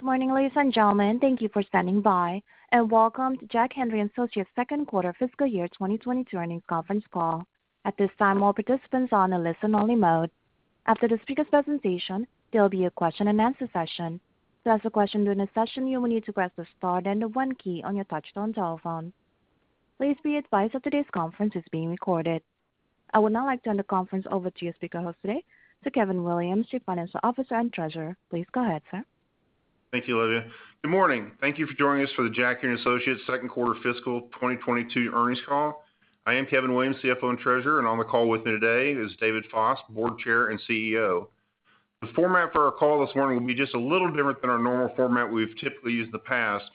Good morning, ladies and gentlemen. Thank you for standing by, and welcome to Jack Henry & Associates second quarter fiscal year 2022 earnings conference call. At this time, all participants are on a listen only mode. After the speaker's presentation, there'll be a question-and-answer session. To ask a question during the session, you will need to press the star then the one key on your touch-tone telephone. Please be advised that today's conference is being recorded. I would now like to turn the conference over to your speaker host today, to Kevin Williams, Chief Financial Officer and Treasurer. Please go ahead, sir. Thank you, Olivia. Good morning. Thank you for joining us for the Jack Henry & Associates second quarter fiscal 2022 earnings call. I am Kevin Williams, CFO and Treasurer, and on the call with me today is David Foss, Board Chair and CEO. The format for our call this morning will be just a little different than our normal format we've typically used in the past.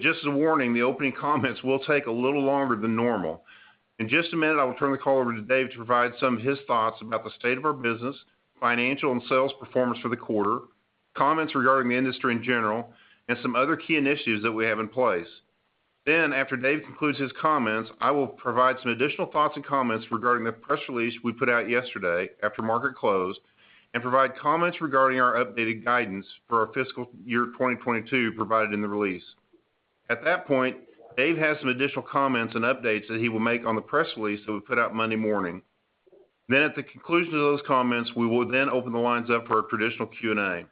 Just as a warning, the opening comments will take a little longer than normal. In just a minute, I will turn the call over to Dave to provide some of his thoughts about the state of our business, financial and sales performance for the quarter, comments regarding the industry in general, and some other key initiatives that we have in place. After Dave concludes his comments, I will provide some additional thoughts and comments regarding the press release we put out yesterday after market closed and provide comments regarding our updated guidance for our fiscal year 2022 provided in the release. At that point, Dave has some additional comments and updates that he will make on the press release that we put out Monday morning. At the conclusion of those comments, we will then open the lines up for a traditional Q&A.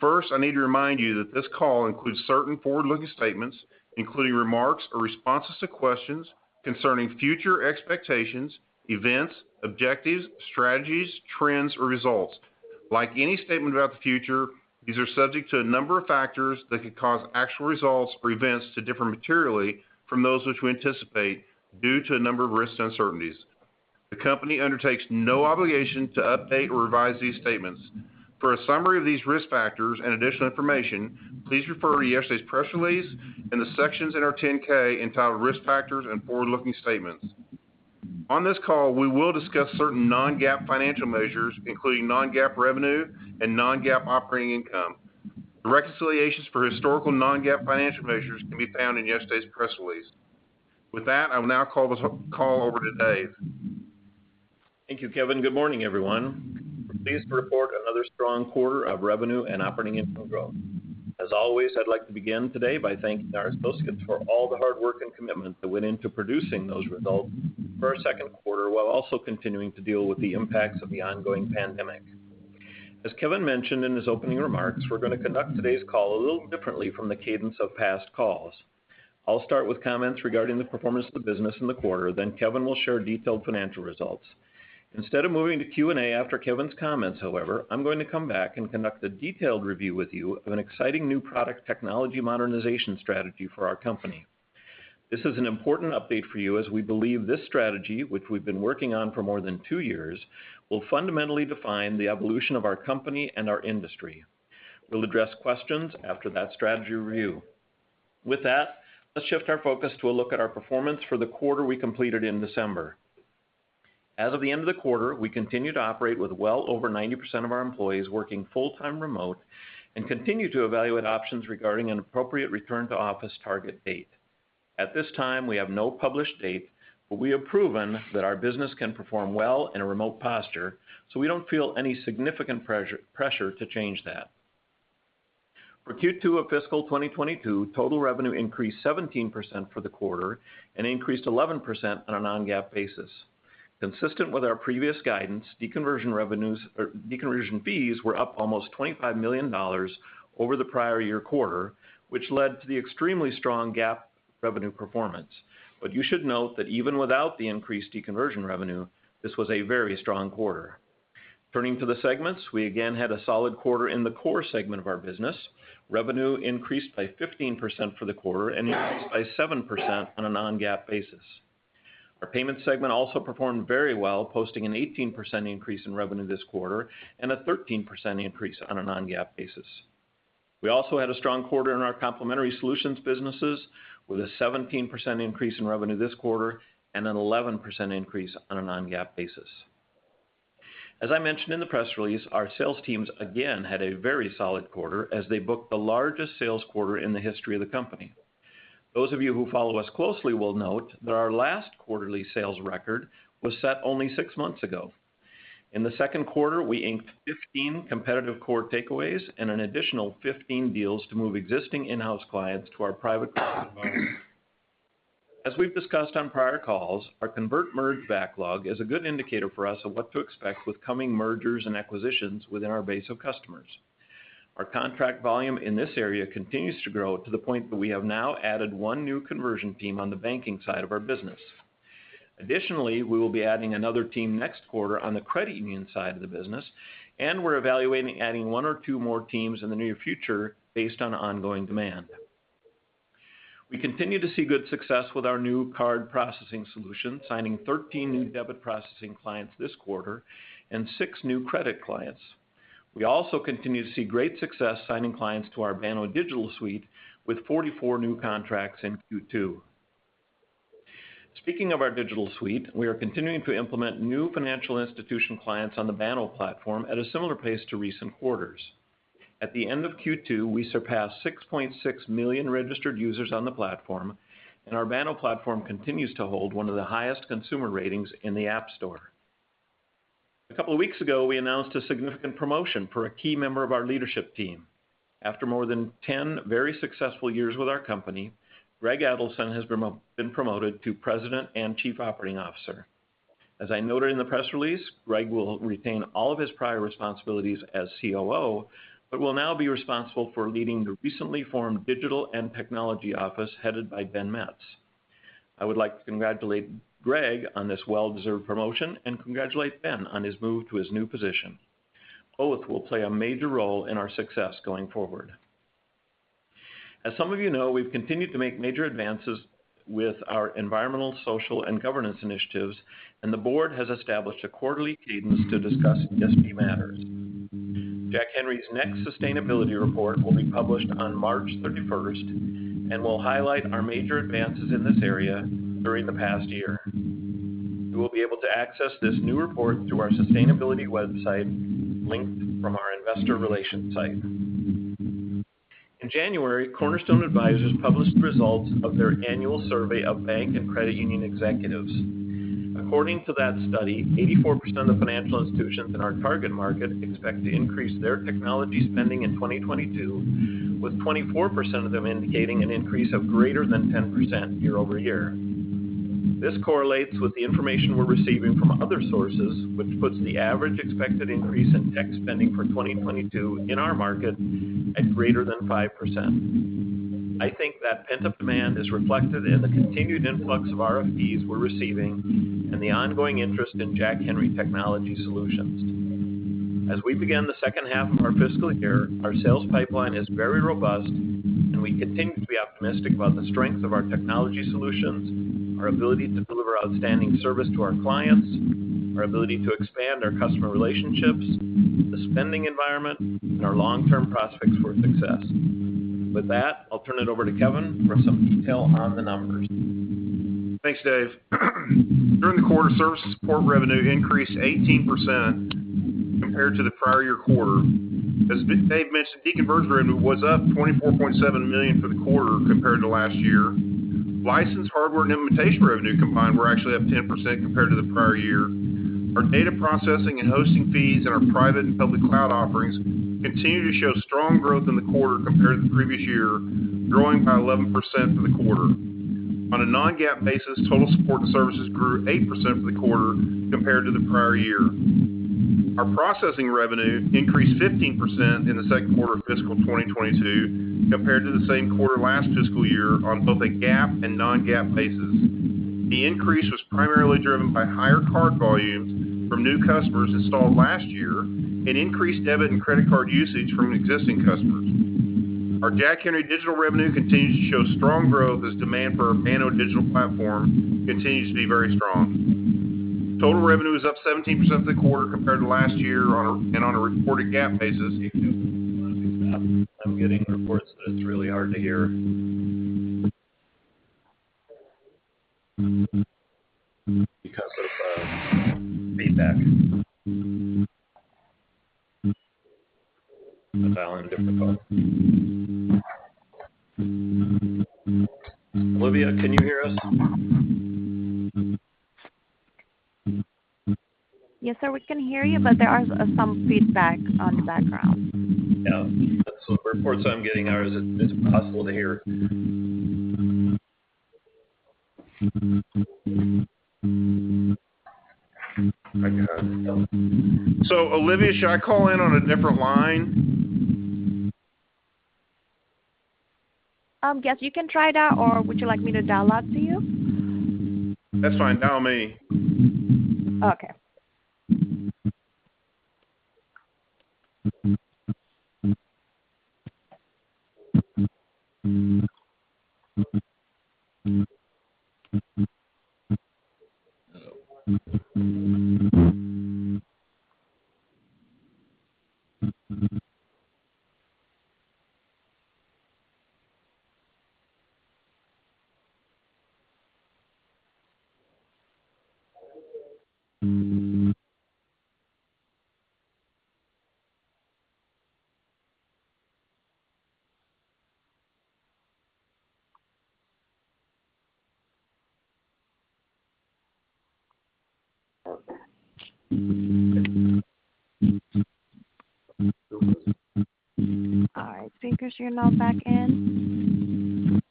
First, I need to remind you that this call includes certain forward-looking statements, including remarks or responses to questions concerning future expectations, events, objectives, strategies, trends, or results. Like any statement about the future, these are subject to a number of factors that could cause actual results or events to differ materially from those which we anticipate due to a number of risks and uncertainties. The company undertakes no obligation to update or revise these statements. For a summary of these risk factors and additional information, please refer to yesterday's press release and the sections in our 10-K entitled Risk Factors and Forward-Looking Statements. On this call, we will discuss certain non-GAAP financial measures, including non-GAAP revenue and non-GAAP operating income. The reconciliations for historical non-GAAP financial measures can be found in yesterday's press release. With that, I will now turn the call over to David. Thank you, Kevin. Good morning, everyone. I'm pleased to report another strong quarter of revenue and operating income growth. As always, I'd like to begin today by thanking our associates for all the hard work and commitment that went into producing those results for our second quarter, while also continuing to deal with the impacts of the ongoing pandemic. As Kevin mentioned in his opening remarks, we're gonna conduct today's call a little differently from the cadence of past calls. I'll start with comments regarding the performance of the business in the quarter, then Kevin will share detailed financial results. Instead of moving to Q&A after Kevin's comments, however, I'm going to come back and conduct a detailed review with you of an exciting new product technology modernization strategy for our company. This is an important update for you as we believe this strategy, which we've been working on for more than 2 years, will fundamentally define the evolution of our company and our industry. We'll address questions after that strategy review. With that, let's shift our focus to a look at our performance for the quarter we completed in December. As of the end of the quarter, we continue to operate with well over 90% of our employees working full-time remote and continue to evaluate options regarding an appropriate return to office target date. At this time, we have no published date, but we have proven that our business can perform well in a remote posture, so we don't feel any significant pressure to change that. For Q2 of fiscal 2022, total revenue increased 17% for the quarter and increased 11% on a non-GAAP basis. Consistent with our previous guidance, deconversion revenues or deconversion fees were up almost $25 million over the prior year quarter, which led to the extremely strong GAAP revenue performance. You should note that even without the increased deconversion revenue, this was a very strong quarter. Turning to the segments, we again had a solid quarter in the core segment of our business. Revenue increased by 15% for the quarter and increased by 7% on a non-GAAP basis. Our payment segment also performed very well, posting an 18% increase in revenue this quarter and a 13% increase on a non-GAAP basis. We also had a strong quarter in our complementary solutions businesses with a 17% increase in revenue this quarter and an 11% increase on a non-GAAP basis. As I mentioned in the press release, our sales teams again had a very solid quarter as they booked the largest sales quarter in the history of the company. Those of you who follow us closely will note that our last quarterly sales record was set only six months ago. In the second quarter, we inked 15 competitive core takeaways and an additional 15 deals to move existing in-house clients to our private cloud environment. As we've discussed on prior calls, our conversion merge backlog is a good indicator for us of what to expect with coming mergers and acquisitions within our base of customers. Our contract volume in this area continues to grow to the point that we have now added one new conversion team on the banking side of our business. Additionally, we will be adding another team next quarter on the credit union side of the business, and we're evaluating adding one or two more teams in the near future based on ongoing demand. We continue to see good success with our new card processing solution, signing 13 new debit processing clients this quarter and 6 new credit clients. We also continue to see great success signing clients to our Banno Digital suite with 44 new contracts in Q2. Speaking of our Digital Suite, we are continuing to implement new financial institution clients on the Banno platform at a similar pace to recent quarters. At the end of Q2, we surpassed 6.6 million registered users on the platform, and our Banno platform continues to hold one of the highest consumer ratings in the App Store. A couple of weeks ago, we announced a significant promotion for a key member of our leadership team. After more than 10 very successful years with our company, Greg Adelson has been promoted to President and Chief Operating Officer. As I noted in the press release, Greg will retain all of his prior responsibilities as COO, but will now be responsible for leading the recently formed Digital and Technology Office headed by Ben Metz. I would like to congratulate Greg on this well-deserved promotion and congratulate Ben on his move to his new position. Both will play a major role in our success going forward. As some of you know, we've continued to make major advances with our environmental, social, and governance initiatives, and the board has established a quarterly cadence to discuss ESG matters. Jack Henry's next sustainability report will be published on March 31st and will highlight our major advances in this area during the past year. You will be able to access this new report through our sustainability website linked from our investor relations site. In January, Cornerstone Advisors published the results of their annual survey of bank and credit union executives. According to that study, 84% of financial institutions in our target market expect to increase their technology spending in 2022, with 24% of them indicating an increase of greater than 10% year-over-year. This correlates with the information we're receiving from other sources, which puts the average expected increase in tech spending for 2022 in our market at greater than 5%. I think that pent-up demand is reflected in the continued influx of RFPs we're receiving and the ongoing interest in Jack Henry technology solutions. As we begin the second half of our fiscal year, our sales pipeline is very robust and we continue to be optimistic about the strength of our technology solutions, our ability to deliver outstanding service to our clients, our ability to expand our customer relationships, the spending environment, and our long-term prospects for success. With that, I'll turn it over to Kevin for some detail on the numbers. Thanks, Dave. During the quarter, services support revenue increased 18% compared to the prior year quarter. As Dave mentioned, deconversion revenue was up $24.7 million for the quarter compared to last year. License, hardware, and implementation revenue combined were actually up 10% compared to the prior year. Our data processing and hosting fees in our private and public cloud offerings continued to show strong growth in the quarter compared to the previous year, growing by 11% for the quarter. On a non-GAAP basis, total support and services grew 8% for the quarter compared to the prior year. Our processing revenue increased 15% in the second quarter of fiscal 2022 compared to the same quarter last fiscal year on both a GAAP and non-GAAP basis. The increase was primarily driven by higher card volumes from new customers installed last year and increased debit and credit card usage from existing customers. Our Jack Henry digital revenue continues to show strong growth as demand for our Banno digital platform continues to be very strong. Total revenue is up 17% for the quarter compared to last year on a reported GAAP basis. I'm getting reports that it's really hard. Olivia, can you hear us? Yes, sir. We can hear you, but there are some feedback on the background. It's impossible to hear. I got it. No. Olivia, should I call in on a different line? Yes, you can try that or would you like me to dial out to you? That's fine. Dial me. Okay. All right. Think you're now back in.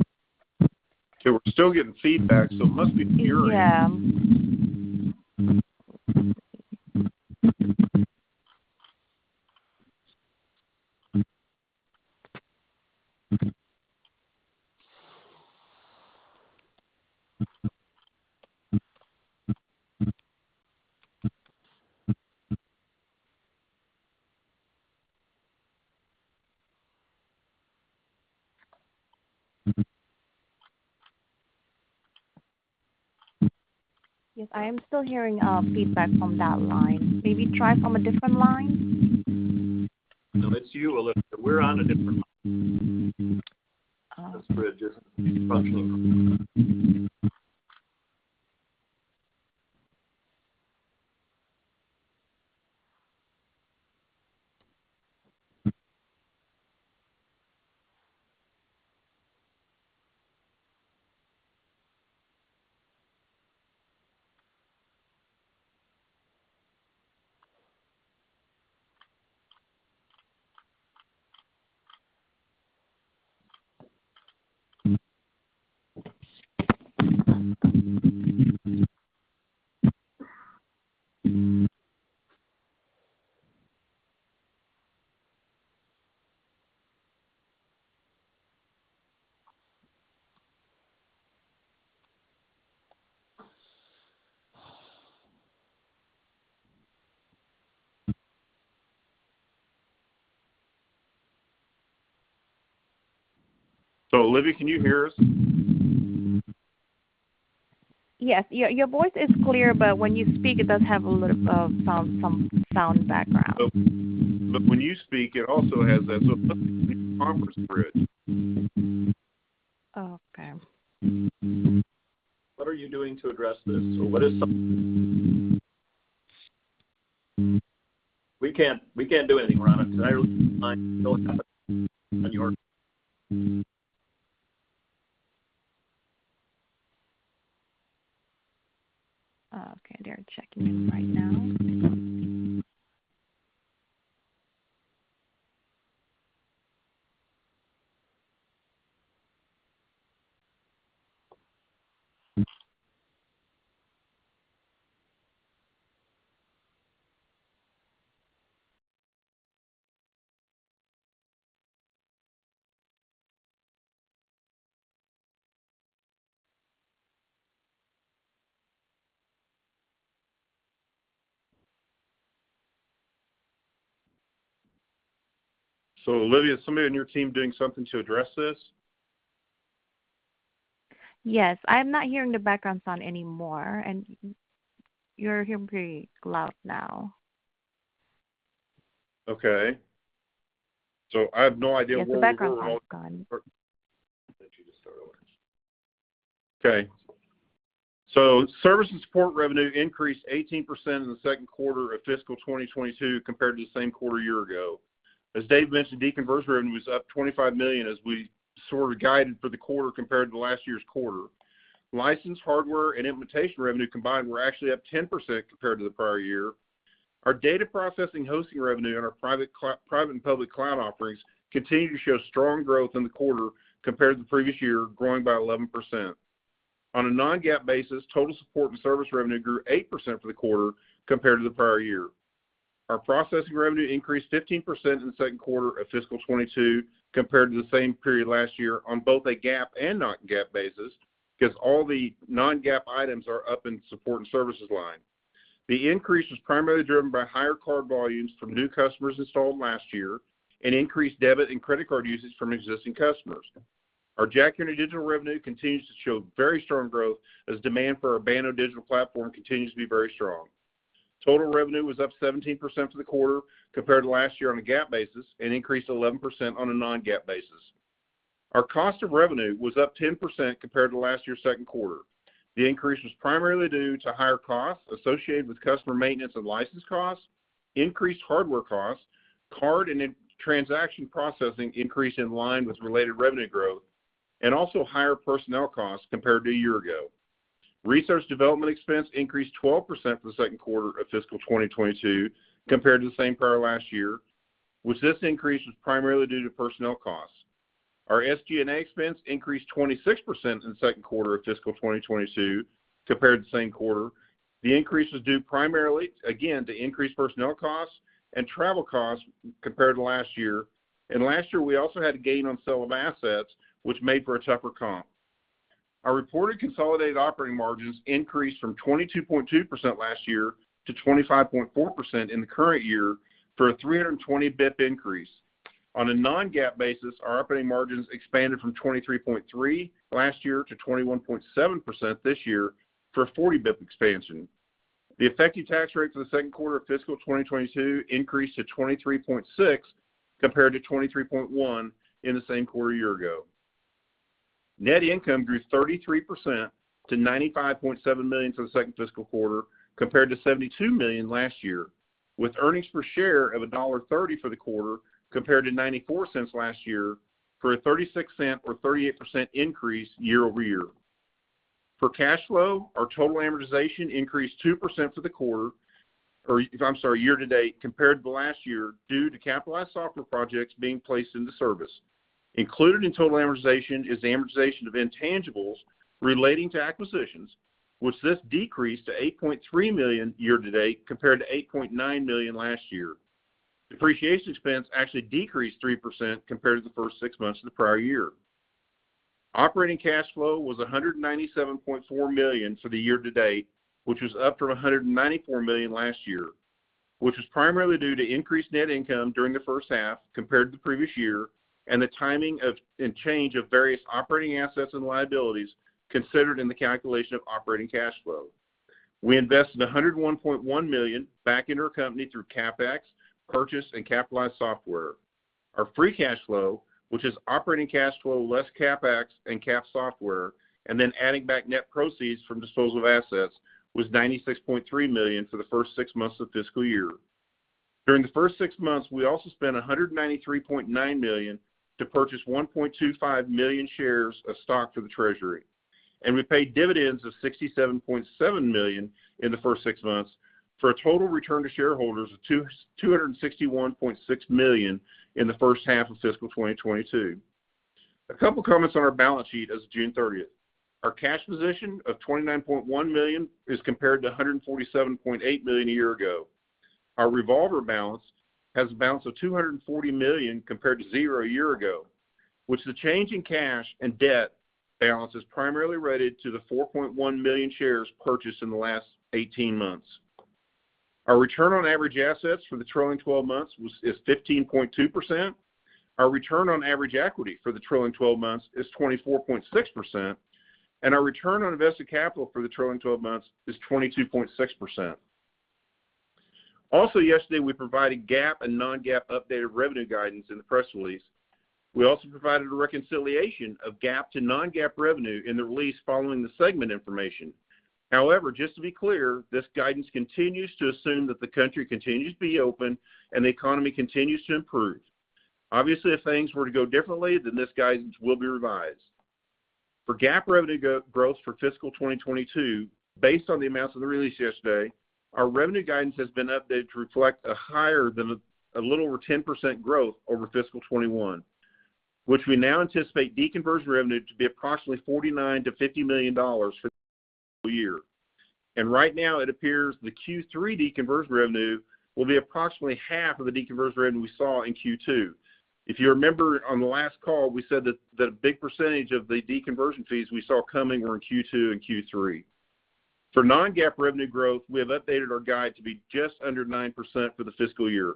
Okay. We're still getting feedback, so it must be your end. Yeah. Yes, I am still hearing feedback from that line. Maybe try from a different line. No, it's you, Olivia. We're on a different line. Oh. Olivia, can you hear us? Yes. Your voice is clear, but when you speak it does have a little sound, some sound background. When you speak, it also has that. Conference bridge. Okay. What are you doing to address this? We can't do anything wrong because I on your Okay. They're checking it right now. Olivia, is somebody on your team doing something to address this? Yes. I'm not hearing the background sound anymore, and you're hearing pretty loud now. Okay. I have no idea what. Yes, the background sound is gone. Why don't you just start over? Service and support revenue increased 18% in the second quarter of fiscal 2022 compared to the same quarter a year ago. As Dave mentioned, deconversion revenue was up $25 million as we sort of guided for the quarter compared to last year's quarter. License, hardware, and implementation revenue combined were actually up 10% compared to the prior year. Our data processing hosting revenue on our private and public cloud offerings continue to show strong growth in the quarter compared to the previous year, growing by 11%. On a non-GAAP basis, total support and service revenue grew 8% for the quarter compared to the prior year. Our processing revenue increased 15% in the second quarter of fiscal 2022 compared to the same period last year on both a GAAP and non-GAAP basis, because all the non-GAAP items are up in support and services line. The increase was primarily driven by higher card volumes from new customers installed last year and increased debit and credit card usage from existing customers. Our Jack Henry digital revenue continues to show very strong growth as demand for our Banno digital platform continues to be very strong. Total revenue was up 17% for the quarter compared to last year on a GAAP basis and increased 11% on a non-GAAP basis. Our cost of revenue was up 10% compared to last year's second quarter. The increase was primarily due to higher costs associated with customer maintenance and license costs, increased hardware costs, card and transaction processing increase in line with related revenue growth, and also higher personnel costs compared to a year ago. Research and development expense increased 12% for the second quarter of fiscal 2022 compared to the same period last year, which this increase was primarily due to personnel costs. Our SG&A expense increased 26% in the second quarter of fiscal 2022 compared to the same quarter. The increase was due primarily, again, to increased personnel costs and travel costs compared to last year. Last year, we also had a gain on sale of assets, which made for a tougher comp. Our reported consolidated operating margins increased from 22.2% last year to 25.4% in the current year for a 320 basis points increase. On a non-GAAP basis, our operating margins expanded from 23.3% last year to 21.7% this year for a 40 basis points expansion. The effective tax rate for the second quarter of fiscal 2022 increased to 23.6% compared to 23.1% in the same quarter a year ago. Net income grew 33% to $95.7 million for the second fiscal quarter compared to $72 million last year, with earnings per share of $1.30 for the quarter compared to $0.94 last year for a $0.36 or 38% increase year-over-year. For cash flow, our total amortization increased 2% for the quarter, or I'm sorry, year to date, compared to last year due to capitalized software projects being placed into service. Included in total amortization is the amortization of intangibles relating to acquisitions, which decreased to $8.3 million year to date compared to $8.9 million last year. Depreciation expense actually decreased 3% compared to the first six months of the prior year. Operating cash flow was $197.4 million for the year to date, which was up from $194 million last year, which was primarily due to increased net income during the first half compared to the previous year and the timing of and change of various operating assets and liabilities considered in the calculation of operating cash flow. We invested $101.1 million back into our company through CapEx, purchases and capitalized software. Our free cash flow, which is operating cash flow less CapEx and capitalized software, and then adding back net proceeds from disposal of assets, was $96.3 million for the first six months of the fiscal year. During the first six months, we also spent $193.9 million to purchase 1.25 million shares of stock for the treasury, and we paid dividends of $67.7 million in the first six months for a total return to shareholders of $261.6 million in the first half of fiscal 2022. A couple comments on our balance sheet as of June thirtieth. Our cash position of $29.1 million is compared to $147.8 million a year ago. Our revolver balance has a balance of $240 million compared to $0 a year ago, which the change in cash and debt balance is primarily related to the 4.1 million shares purchased in the last eighteen months. Our return on average assets for the trailing twelve months is 15.2%. Our return on average equity for the trailing twelve months is 24.6%, and our return on invested capital for the trailing twelve months is 22.6%. Also yesterday, we provided GAAP and non-GAAP updated revenue guidance in the press release. We also provided a reconciliation of GAAP to non-GAAP revenue in the release following the segment information. However, just to be clear, this guidance continues to assume that the country continues to be open and the economy continues to improve. Obviously, if things were to go differently, then this guidance will be revised. For GAAP revenue growth for fiscal 2022, based on the amounts of the release yesterday, our revenue guidance has been updated to reflect higher than a little over 10% growth over fiscal 2021, which we now anticipate deconversion revenue to be approximately $49 million-$50 million for the year. Right now it appears the Q3 deconversion revenue will be approximately half of the deconversion revenue we saw in Q2. If you remember on the last call, we said that a big percentage of the deconversion fees we saw coming were in Q2 and Q3. For non-GAAP revenue growth, we have updated our guide to be just under 9% for the fiscal year.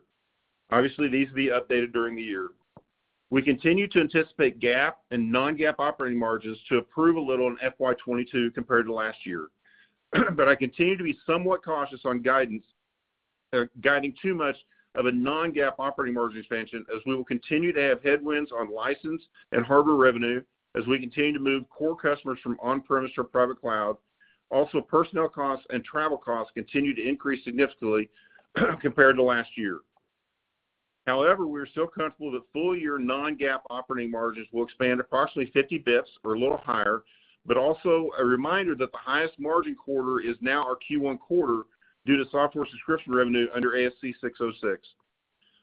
Obviously, it needs to be updated during the year. We continue to anticipate GAAP and non-GAAP operating margins to improve a little in FY 2022 compared to last year. I continue to be somewhat cautious on guidance or guiding too much of a non-GAAP operating margin expansion as we will continue to have headwinds on license and hardware revenue as we continue to move core customers from on-premise to our private cloud. Also, personnel costs and travel costs continue to increase significantly compared to last year. However, we are still comfortable that full-year non-GAAP operating margins will expand approximately 50 bps or a little higher, but also a reminder that the highest margin quarter is now our Q1 quarter due to software subscription revenue under ASC 606.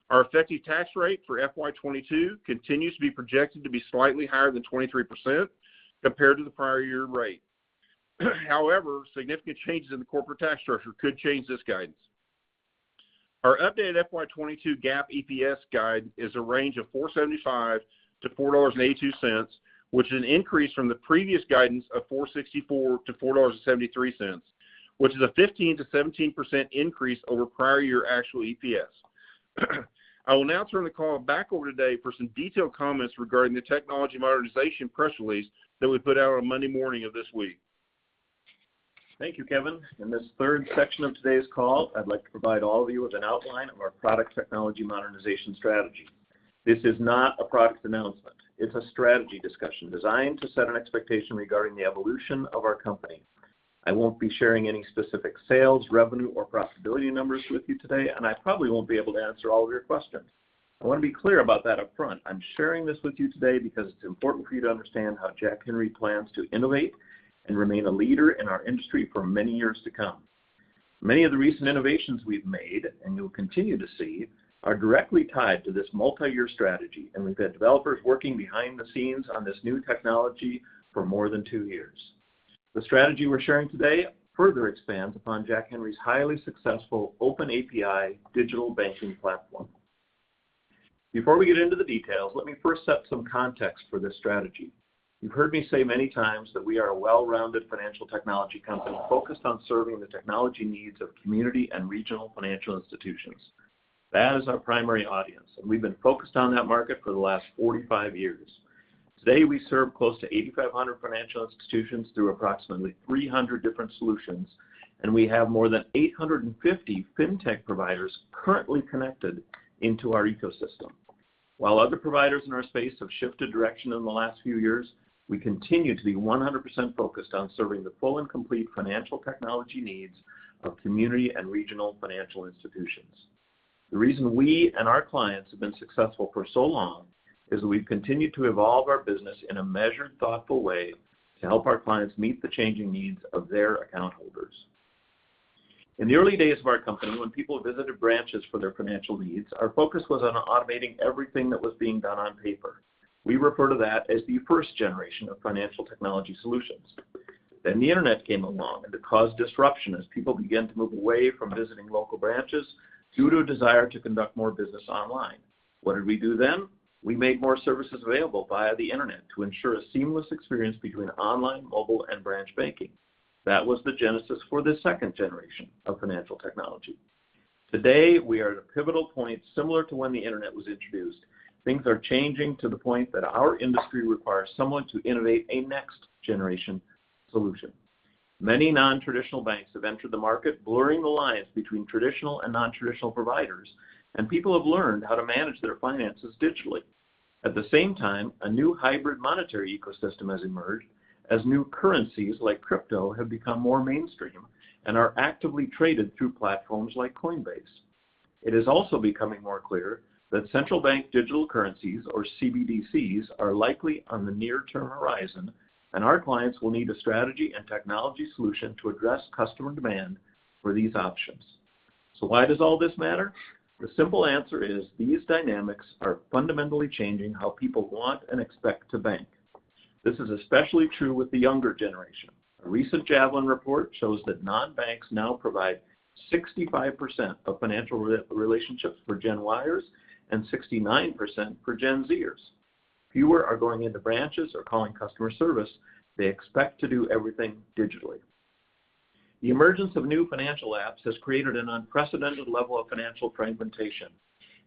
Our effective tax rate for FY 2022 continues to be projected to be slightly higher than 23% compared to the prior year rate. However, significant changes in the corporate tax structure could change this guidance. Our updated FY 2022 GAAP EPS guide is a range of $4.75-$4.82, which is an increase from the previous guidance of $4.64-$4.73, which is a 15%-17% increase over prior year actual EPS. I will now turn the call back over to Dave for some detailed comments regarding the technology modernization press release that we put out on Monday morning of this week. Thank you, Kevin. In this third section of today's call, I'd like to provide all of you with an outline of our product technology modernization strategy. This is not a product announcement. It's a strategy discussion designed to set an expectation regarding the evolution of our company. I won't be sharing any specific sales, revenue or profitability numbers with you today, and I probably won't be able to answer all of your questions. I want to be clear about that up front. I'm sharing this with you today because it's important for you to understand how Jack Henry plans to innovate and remain a leader in our industry for many years to come. Many of the recent innovations we've made, and you'll continue to see, are directly tied to this multi-year strategy, and we've had developers working behind the scenes on this new technology for more than two years. The strategy we're sharing today further expands upon Jack Henry's highly successful OpenAPI digital banking platform. Before we get into the details, let me first set some context for this strategy. You've heard me say many times that we are a well-rounded financial technology company focused on serving the technology needs of community and regional financial institutions. That is our primary audience, and we've been focused on that market for the last 45 years. Today, we serve close to 8,500 financial institutions through approximately 300 different solutions, and we have more than 850 fintech providers currently connected into our ecosystem. While other providers in our space have shifted direction in the last few years, we continue to be 100% focused on serving the full and complete financial technology needs of community and regional financial institutions. The reason we and our clients have been successful for so long is that we've continued to evolve our business in a measured, thoughtful way to help our clients meet the changing needs of their account holders. In the early days of our company, when people visited branches for their financial needs, our focus was on automating everything that was being done on paper. We refer to that as the first generation of financial technology solutions. The internet came along and it caused disruption as people began to move away from visiting local branches due to a desire to conduct more business online. What did we do then? We made more services available via the internet to ensure a seamless experience between online, mobile, and branch banking. That was the genesis for the second generation of financial technology. Today, we are at a pivotal point similar to when the internet was introduced. Things are changing to the point that our industry requires someone to innovate a next-generation solution. Many non-traditional banks have entered the market, blurring the lines between traditional and non-traditional providers, and people have learned how to manage their finances digitally. At the same time, a new hybrid monetary ecosystem has emerged as new currencies like crypto have become more mainstream and are actively traded through platforms like Coinbase. It is also becoming more clear that central bank digital currencies or CBDCs are likely on the near-term horizon, and our clients will need a strategy and technology solution to address customer demand for these options. Why does all this matter? The simple answer is these dynamics are fundamentally changing how people want and expect to bank. This is especially true with the younger generation. A recent Javelin report shows that non-banks now provide 65% of financial relationships for Gen Yers and 69% for Gen Zers. Fewer are going into branches or calling customer service. They expect to do everything digitally. The emergence of new financial apps has created an unprecedented level of financial fragmentation.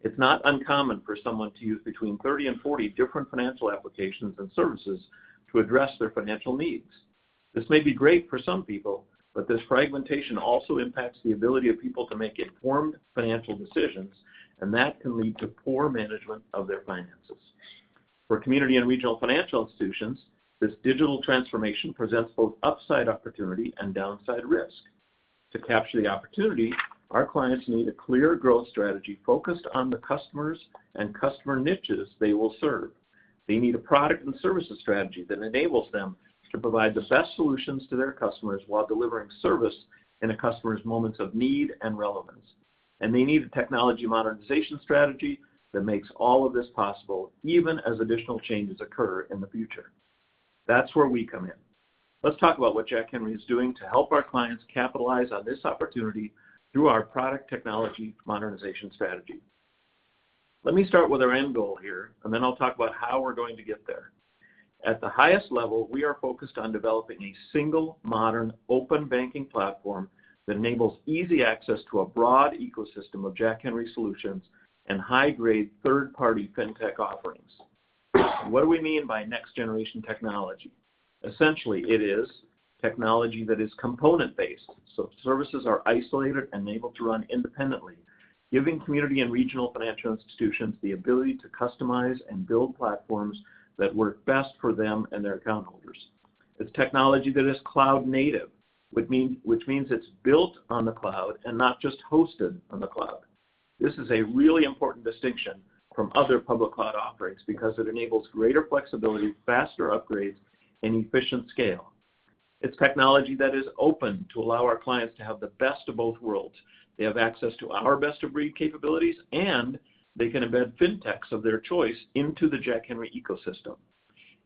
It's not uncommon for someone to use between 30 and 40 different financial applications and services to address their financial needs. This may be great for some people, but this fragmentation also impacts the ability of people to make informed financial decisions, and that can lead to poor management of their finances. For community and regional financial institutions, this digital transformation presents both upside opportunity and downside risk. To capture the opportunity, our clients need a clear growth strategy focused on the customers and customer niches they will serve. They need a product and services strategy that enables them to provide the best solutions to their customers while delivering service in a customer's moments of need and relevance. They need a technology modernization strategy that makes all of this possible, even as additional changes occur in the future. That's where we come in. Let's talk about what Jack Henry is doing to help our clients capitalize on this opportunity through our product technology modernization strategy. Let me start with our end goal here, and then I'll talk about how we're going to get there. At the highest level, we are focused on developing a single modern open banking platform that enables easy access to a broad ecosystem of Jack Henry solutions and high-grade third-party fintech offerings. What do we mean by next-generation technology? Essentially, it is technology that is component-based, so services are isolated and able to run independently, giving community and regional financial institutions the ability to customize and build platforms that work best for them and their account holders. It's technology that is cloud native, which means it's built on the cloud and not just hosted on the cloud. This is a really important distinction from other public cloud offerings because it enables greater flexibility, faster upgrades, and efficient scale. It's technology that is open to allow our clients to have the best of both worlds. They have access to our best-of-breed capabilities, and they can embed fintechs of their choice into the Jack Henry ecosystem.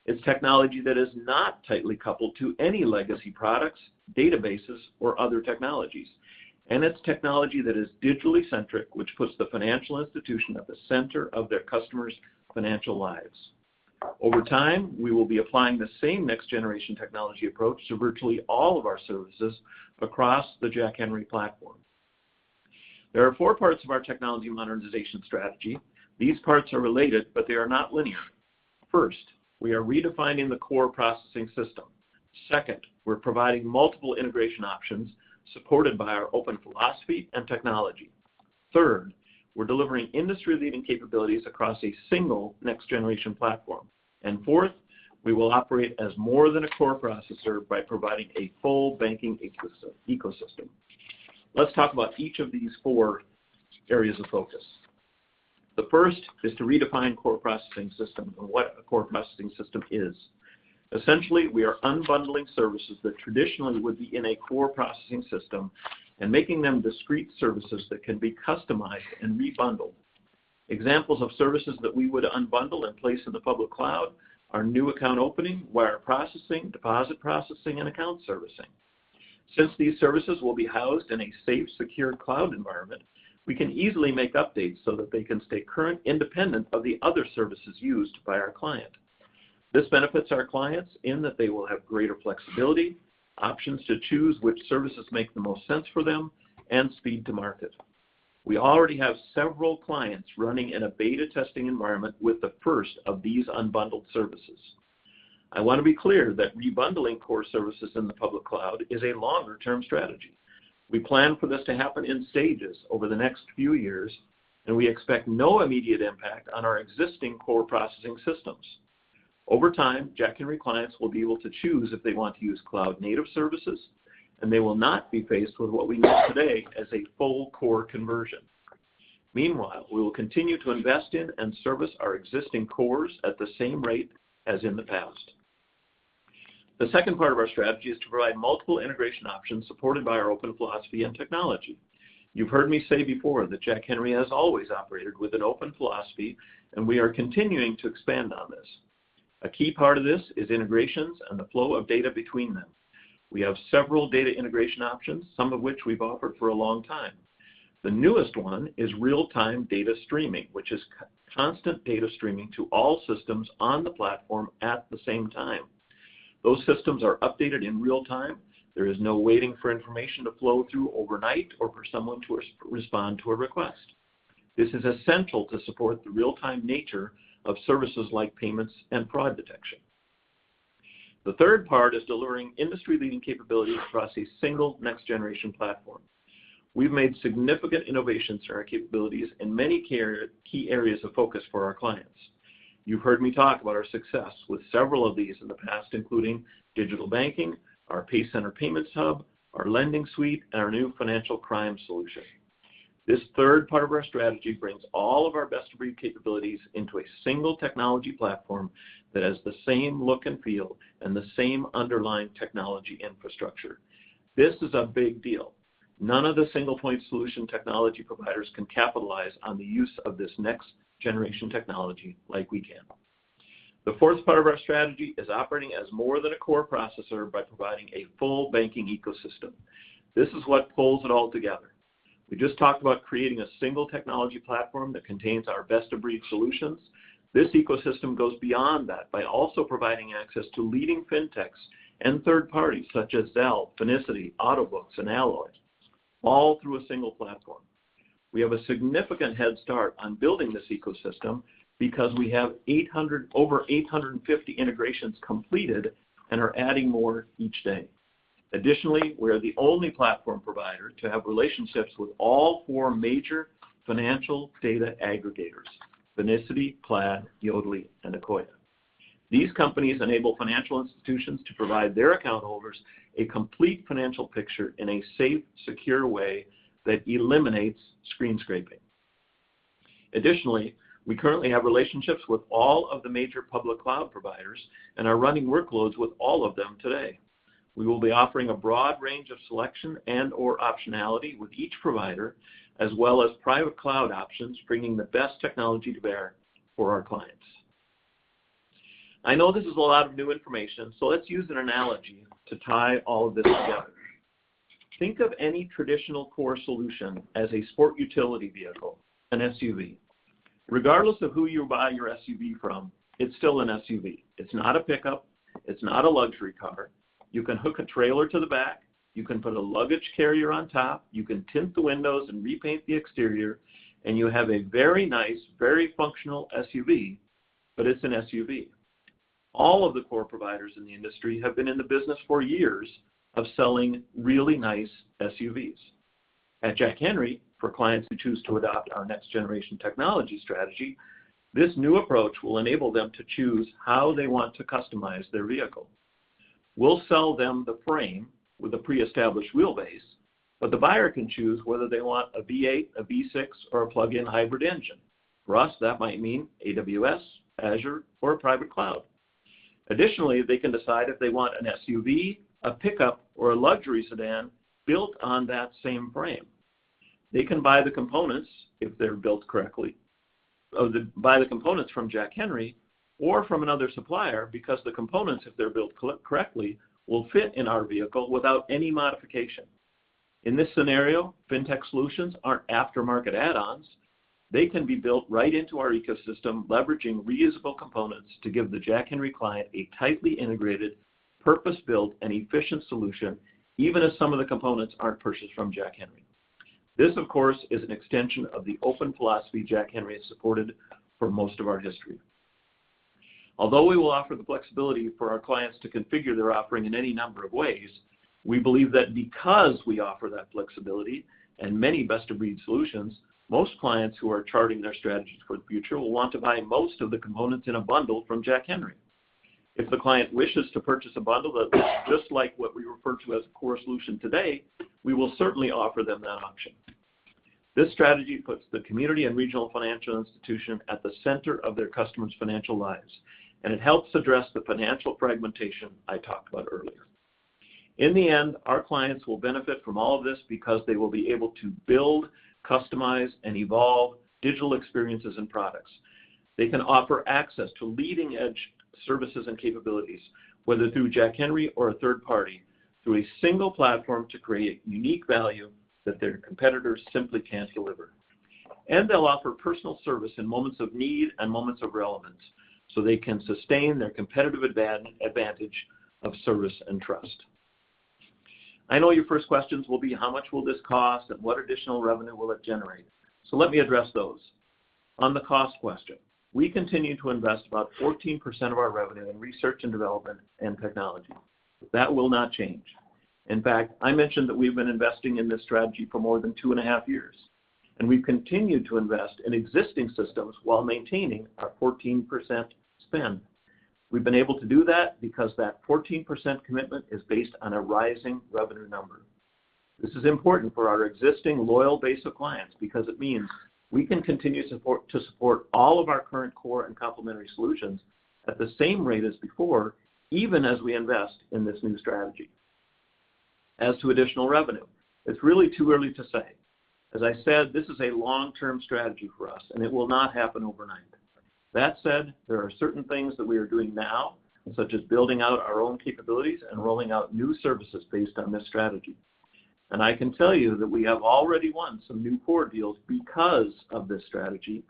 It's technology that is not tightly coupled to any legacy products, databases, or other technologies. It's technology that is digitally centric, which puts the financial institution at the center of their customers' financial lives. Over time, we will be applying the same next-generation technology approach to virtually all of our services across the Jack Henry platform. There are four parts of our technology modernization strategy. These parts are related, but they are not linear. First, we are redefining the core processing system. Second, we're providing multiple integration options supported by our open philosophy and technology. Third, we're delivering industry-leading capabilities across a single next-generation platform. Fourth, we will operate as more than a core processor by providing a full banking ecosystem. Let's talk about each of these four areas of focus. The first is to redefine core processing system and what a core processing system is. Essentially, we are unbundling services that traditionally would be in a core processing system and making them discrete services that can be customized and rebundled. Examples of services that we would unbundle and place in the public cloud are new account opening, wire processing, deposit processing, and account servicing. Since these services will be housed in a safe, secure cloud environment, we can easily make updates so that they can stay current independent of the other services used by our client. This benefits our clients in that they will have greater flexibility, options to choose which services make the most sense for them, and speed to market. We already have several clients running in a beta testing environment with the first of these unbundled services. I want to be clear that rebundling core services in the public cloud is a longer-term strategy. We plan for this to happen in stages over the next few years, and we expect no immediate impact on our existing core processing systems. Over time, Jack Henry clients will be able to choose if they want to use cloud-native services, and they will not be faced with what we know today as a full core conversion. Meanwhile, we will continue to invest in and service our existing cores at the same rate as in the past. The second part of our strategy is to provide multiple integration options supported by our open philosophy and technology. You've heard me say before that Jack Henry has always operated with an open philosophy, and we are continuing to expand on this. A key part of this is integrations and the flow of data between them. We have several data integration options, some of which we've offered for a long time. The newest one is real-time data streaming, which is constant data streaming to all systems on the platform at the same time. Those systems are updated in real time. There is no waiting for information to flow through overnight or for someone to respond to a request. This is essential to support the real-time nature of services like payments and fraud detection. The third part is delivering industry-leading capabilities across a single next-generation platform. We've made significant innovations to our capabilities in many key areas of focus for our clients. You've heard me talk about our success with several of these in the past, including digital banking, our pays and payment hub our lending suite, and our new financial crime solution. This third part of our strategy brings all of our best-of-breed capabilities into a single technology platform that has the same look and feel and the same underlying technology infrastructure. This is a big deal. None of the single-point solution technology providers can capitalize on the use of this next-generation technology like we can. The fourth part of our strategy is operating as more than a core processor by providing a full banking ecosystem. This is what pulls it all together. We just talked about creating a single technology platform that contains our best-of-breed solutions. This ecosystem goes beyond that by also providing access to leading fintechs and third parties such as Zelle, Finicity, Autobooks, and Alloy, all through a single platform. We have a significant head start on building this ecosystem because we have over 850 integrations completed and are adding more each day. Additionally, we are the only platform provider to have relationships with all four major financial data aggregators, Finicity, Plaid, Yodlee, and Akoya. These companies enable financial institutions to provide their account holders a complete financial picture in a safe, secure way that eliminates screen scraping. Additionally, we currently have relationships with all of the major public cloud providers and are running workloads with all of them today. We will be offering a broad range of selection and/or optionality with each provider, as well as private cloud options, bringing the best technology to bear for our clients. I know this is a lot of new information, so let's use an analogy to tie all of this together. Think of any traditional core solution as a sport utility vehicle, an SUV. Regardless of who you buy your SUV from, it's still an SUV. It's not a pickup. It's not a luxury car. You can hook a trailer to the back. You can put a luggage carrier on top. You can tint the windows and repaint the exterior, and you have a very nice, very functional SUV, but it's an SUV. All of the core providers in the industry have been in the business for years of selling really nice SUVs. At Jack Henry, for clients who choose to adopt our next-generation technology strategy, this new approach will enable them to choose how they want to customize their vehicle. We'll sell them the frame with a pre-established wheelbase, but the buyer can choose whether they want a V8, a V6, or a plug-in hybrid engine. For us, that might mean AWS, Azure, or a private cloud. Additionally, they can decide if they want an SUV, a pickup, or a luxury sedan built on that same frame. They can buy the components if they're built correctly from Jack Henry or from another supplier because the components, if they're built correctly, will fit in our vehicle without any modification. In this scenario, fintech solutions aren't aftermarket add-ons. They can be built right into our ecosystem, leveraging reusable components to give the Jack Henry client a tightly integrated, purpose-built, and efficient solution, even as some of the components aren't purchased from Jack Henry. This, of course, is an extension of the open philosophy Jack Henry has supported for most of our history. Although we will offer the flexibility for our clients to configure their offering in any number of ways, we believe that because we offer that flexibility and many best-of-breed solutions, most clients who are charting their strategies for the future will want to buy most of the components in a bundle from Jack Henry. If the client wishes to purchase a bundle that looks just like what we refer to as a core solution today, we will certainly offer them that option. This strategy puts the community and regional financial institution at the center of their customers' financial lives, and it helps address the financial fragmentation I talked about earlier. In the end, our clients will benefit from all of this because they will be able to build, customize, and evolve digital experiences and products. They can offer access to leading-edge services and capabilities, whether through Jack Henry or a third party, through a single platform to create unique value that their competitors simply can't deliver. They'll offer personal service in moments of need and moments of relevance, so they can sustain their competitive advantage of service and trust. I know your first questions will be, how much will this cost, and what additional revenue will it generate? So let me address those. On the cost question, we continue to invest about 14% of our revenue in research and development and technology. That will not change. In fact, I mentioned that we've been investing in this strategy for more than 2.5 years, and we've continued to invest in existing systems while maintaining our 14% spend. We've been able to do that because that 14% commitment is based on a rising revenue number. This is important for our existing loyal base of clients because it means we can continue to support all of our current core and complementary solutions at the same rate as before, even as we invest in this new strategy. As to additional revenue, it's really too early to say. As I said, this is a long-term strategy for us, and it will not happen overnight. That said, there are certain things that we are doing now, such as building out our own capabilities and rolling out new services based on this strategy. I can tell you that we have already won some new core deals because of this strategy,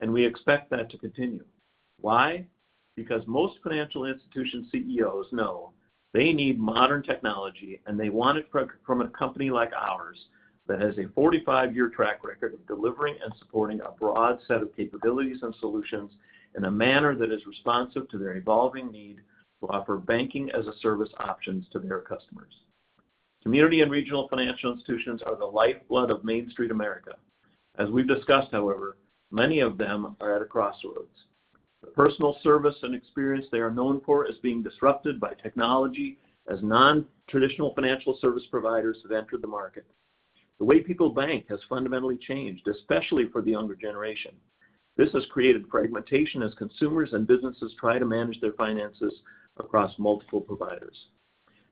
and we expect that to continue. Why? Because most financial institution CEOs know they need modern technology, and they want it from a company like ours that has a 45-year track record of delivering and supporting a broad set of capabilities and solutions in a manner that is responsive to their evolving need to offer banking-as-a-service options to their customers. Community and regional financial institutions are the lifeblood of Main Street America. As we've discussed, however, many of them are at a crossroads. The personal service and experience they are known for is being disrupted by technology as nontraditional financial service providers have entered the market. The way people bank has fundamentally changed, especially for the younger generation. This has created fragmentation as consumers and businesses try to manage their finances across multiple providers.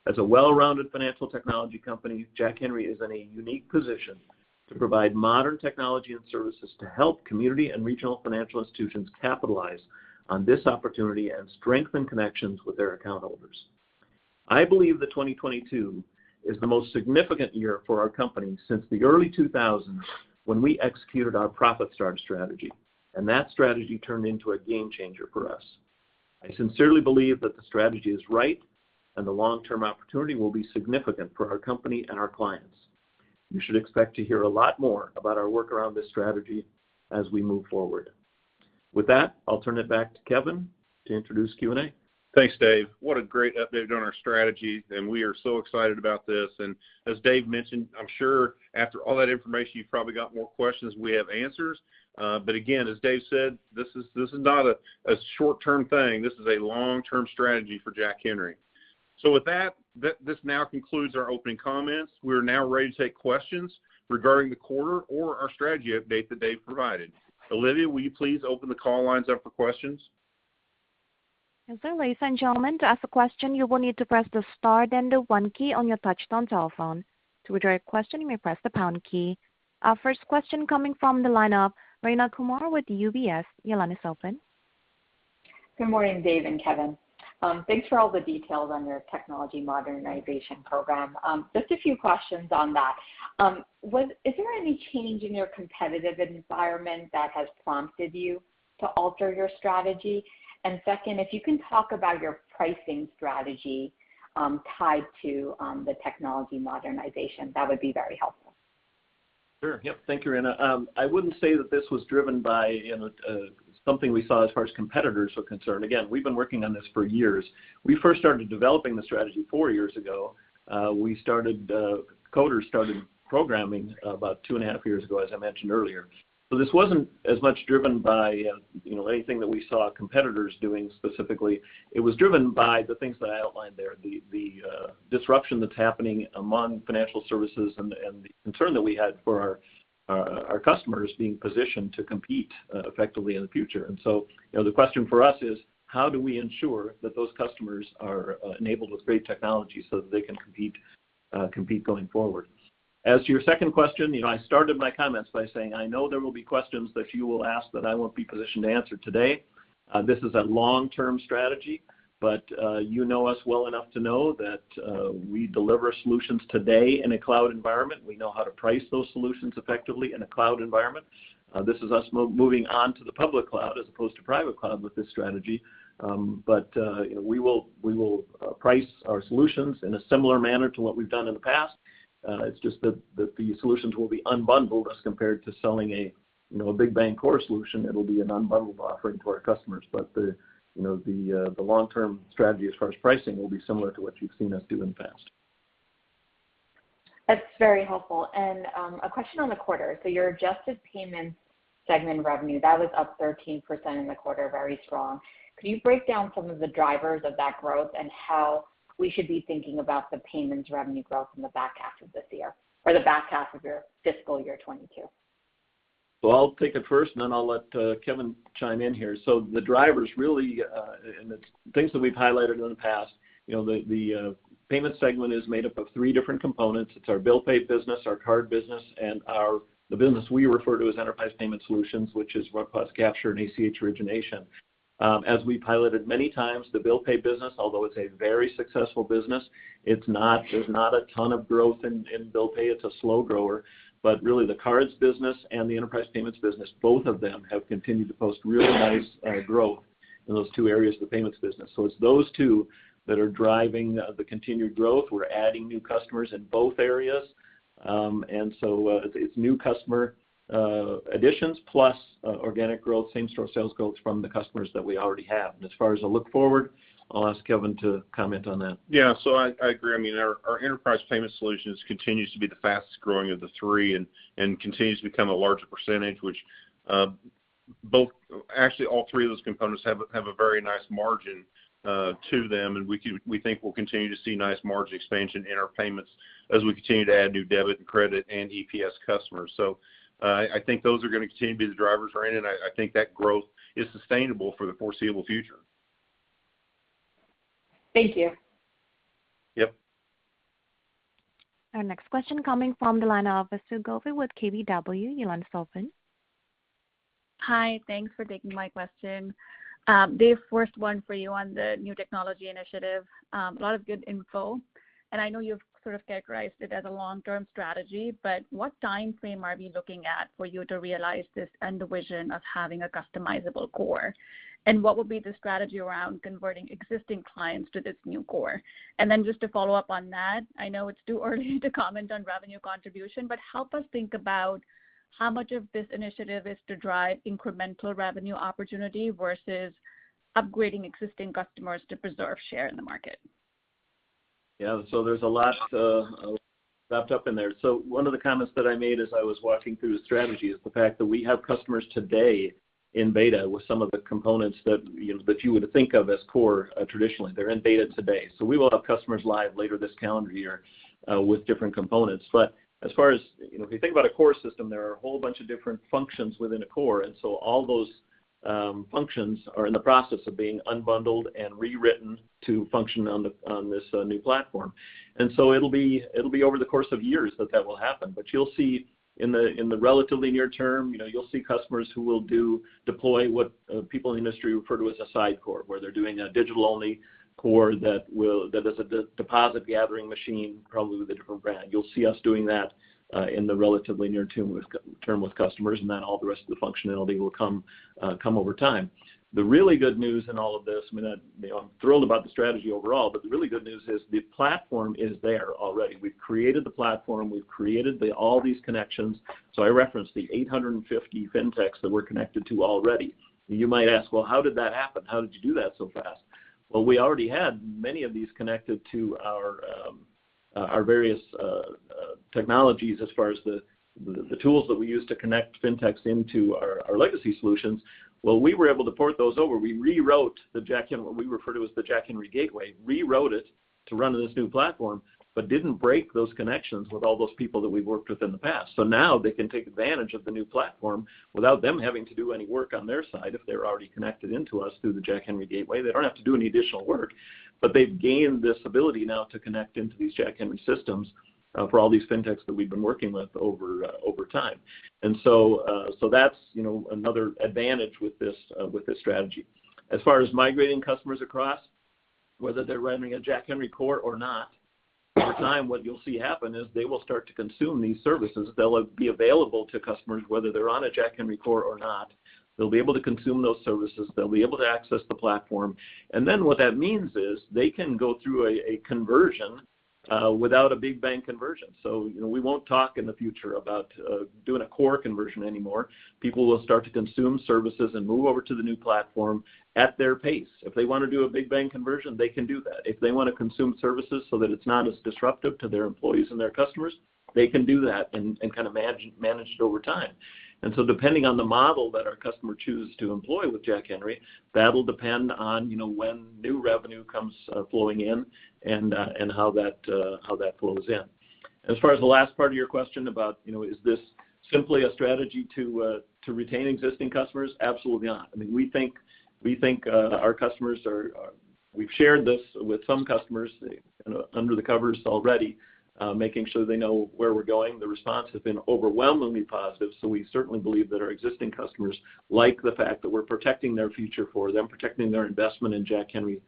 As a well-rounded financial technology company, Jack Henry is in a unique position to provide modern technology and services to help community and regional financial institutions capitalize on this opportunity and strengthen connections with their account holders. I believe that 2022 is the most significant year for our company since the early 2000s when we executed our ProfitStars strategy, and that strategy turned into a game changer for us. I sincerely believe that the strategy is right and the long-term opportunity will be significant for our company and our clients. You should expect to hear a lot more about our work around this strategy as we move forward. With that, I'll turn it back to Kevin to introduce Q&A. Thanks, Dave. What a great update on our strategy, and we are so excited about this. As Dave mentioned, I'm sure after all that information, you've probably got more questions than we have answers. Again, as Dave said, this is not a short-term thing. This is a long-term strategy for Jack Henry. With that, this now concludes our opening comments. We're now ready to take questions regarding the quarter or our strategy update that Dave provided. Olivia, will you please open the call lines up for questions? Yes, sir. Ladies and gentlemen, to ask a question, you will need to press the star then the one key on your touchtone telephone. To withdraw your question, you may press the pound key. Our first question coming from the line of Rayna Kumar with UBS. Your line is open. Good morning, Dave and Kevin. Thanks for all the details on your technology modernization program. Just a few questions on that. Is there any change in your competitive environment that has prompted you to alter your strategy? Second, if you can talk about your pricing strategy, tied to the technology modernization, that would be very helpful. Sure. Yep. Thank you, Rayna. I wouldn't say that this was driven by, you know, something we saw as far as competitors are concerned. Again, we've been working on this for years. We first started developing the strategy four years ago. We started, coders started programming about two and a half years ago, as I mentioned earlier. This wasn't as much driven by, you know, anything that we saw competitors doing specifically. It was driven by the things that I outlined there, the disruption that's happening among financial services and the concern that we had for our customers being positioned to compete effectively in the future. The question for us is, how do we ensure that those customers are enabled with great technology so that they can compete going forward? As to your second question, you know, I started my comments by saying I know there will be questions that you will ask that I won't be positioned to answer today. This is a long-term strategy, but you know us well enough to know that we deliver solutions today in a cloud environment. We know how to price those solutions effectively in a cloud environment. This is us moving on to the public cloud as opposed to private cloud with this strategy. But you know, we will price our solutions in a similar manner to what we've done in the past. It's just that the solutions will be unbundled as compared to selling a, you know, a big bank core solution. It'll be an unbundled offering to our customers. You know, the long-term strategy as far as pricing will be similar to what you've seen us do in the past. That's very helpful. A question on the quarter. Your adjusted payments segment revenue, that was up 13% in the quarter, very strong. Could you break down some of the drivers of that growth and how we should be thinking about the payments revenue growth in the back half of this year or the back half of your fiscal year 2022? I'll take it first, and then I'll let Kevin chime in here. The drivers really, and it's things that we've highlighted in the past. The payment segment is made up of three different components. It's our bill pay business, our card business, and the business we refer to as Enterprise Payment Solutions, which is web capture and ACH origination. As we noted many times, the bill pay business, although it's a very successful business, it's not. There's not a ton of growth in bill pay. It's a slow grower. Really, the cards business and the enterprise payments business, both of them have continued to post really nice growth in those two areas of the payments business. It's those two that are driving the continued growth. We're adding new customers in both areas. It's new customer additions plus organic growth, same store sales growth from the customers that we already have. As far as the look forward, I'll ask Kevin to comment on that. Yeah. I agree. I mean, our Enterprise Payment Solutions continues to be the fastest growing of the three and continues to become a larger percentage, which, actually, all three of those components have a very nice margin to them. We think we'll continue to see nice margin expansion in our payments as we continue to add new debit and credit and EPS customers. I think those are gonna continue to be the drivers, Rayna, and I think that growth is sustainable for the foreseeable future. Thank you. Yep. Our next question coming from the line of Vasu Govil with KBW. Your line is open. Hi. Thanks for taking my question. David, first one for you on the new technology initiative. A lot of good info, and I know you've sort of characterized it as a long-term strategy, but what timeframe are we looking at for you to realize this end vision of having a customizable core? What will be the strategy around converting existing clients to this new core? Just to follow up on that, I know it's too early to comment on revenue contribution, but help us think about how much of this initiative is to drive incremental revenue opportunity versus upgrading existing customers to preserve share in the market. Yeah. There's a lot wrapped up in there. One of the comments that I made as I was walking through the strategy is the fact that we have customers today in beta with some of the components that, you know, that you would think of as core, traditionally. They're in beta today. We will have customers live later this calendar year with different components. But as far as, you know, if you think about a core system, there are a whole bunch of different functions within a core, and so all those functions are in the process of being unbundled and rewritten to function on this new platform. It'll be over the course of years that that will happen. You'll see in the relatively near term, you know, you'll see customers who will deploy what people in the industry refer to as a side core, where they're doing a digital-only core that is a deposit gathering machine, probably with a different brand. You'll see us doing that in the relatively near term with certain customers, and then all the rest of the functionality will come over time. The really good news in all of this, I mean, you know, I'm thrilled about the strategy overall, but the really good news is the platform is there already. We've created the platform, we've created all these connections. So I referenced the 850 fintechs that we're connected to already. You might ask, "Well, how did that happen? How did you do that so fast?" Well, we already had many of these connected to our various technologies as far as the tools that we use to connect fintechs into our legacy solutions. Well, we were able to port those over. We rewrote the Jack Henry gateway, what we refer to as the Jack Henry gateway, rewrote it to run on this new platform, but didn't break those connections with all those people that we've worked with in the past. Now they can take advantage of the new platform without them having to do any work on their side if they're already connected into us through the Jack Henry gateway. They don't have to do any additional work, but they've gained this ability now to connect into these Jack Henry systems for all these fintechs that we've been working with over time. That's, you know, another advantage with this strategy. As far as migrating customers across, whether they're running a Jack Henry core or not, over time, what you'll see happen is they will start to consume these services. They'll be available to customers, whether they're on a Jack Henry core or not. They'll be able to consume those services. They'll be able to access the platform. Then what that means is they can go through a conversion without a big bang conversion. You know, we won't talk in the future about doing a core conversion anymore. People will start to consume services and move over to the new platform at their pace. If they want to do a big bang conversion, they can do that. If they want to consume services so that it's not as disruptive to their employees and their customers, they can do that and kind of manage it over time. Depending on the model that our customer choose to employ with Jack Henry, that'll depend on, you know, when new revenue comes flowing in and how that flows in. As far as the last part of your question about, you know, is this simply a strategy to retain existing customers, absolutely not. I mean, we think our customers are... We've shared this with some customers, you know, under the covers already, making sure they know where we're going. The response has been overwhelmingly positive, so we certainly believe that our existing customers like the fact that we're protecting their future for them, protecting their investment in Jack Henry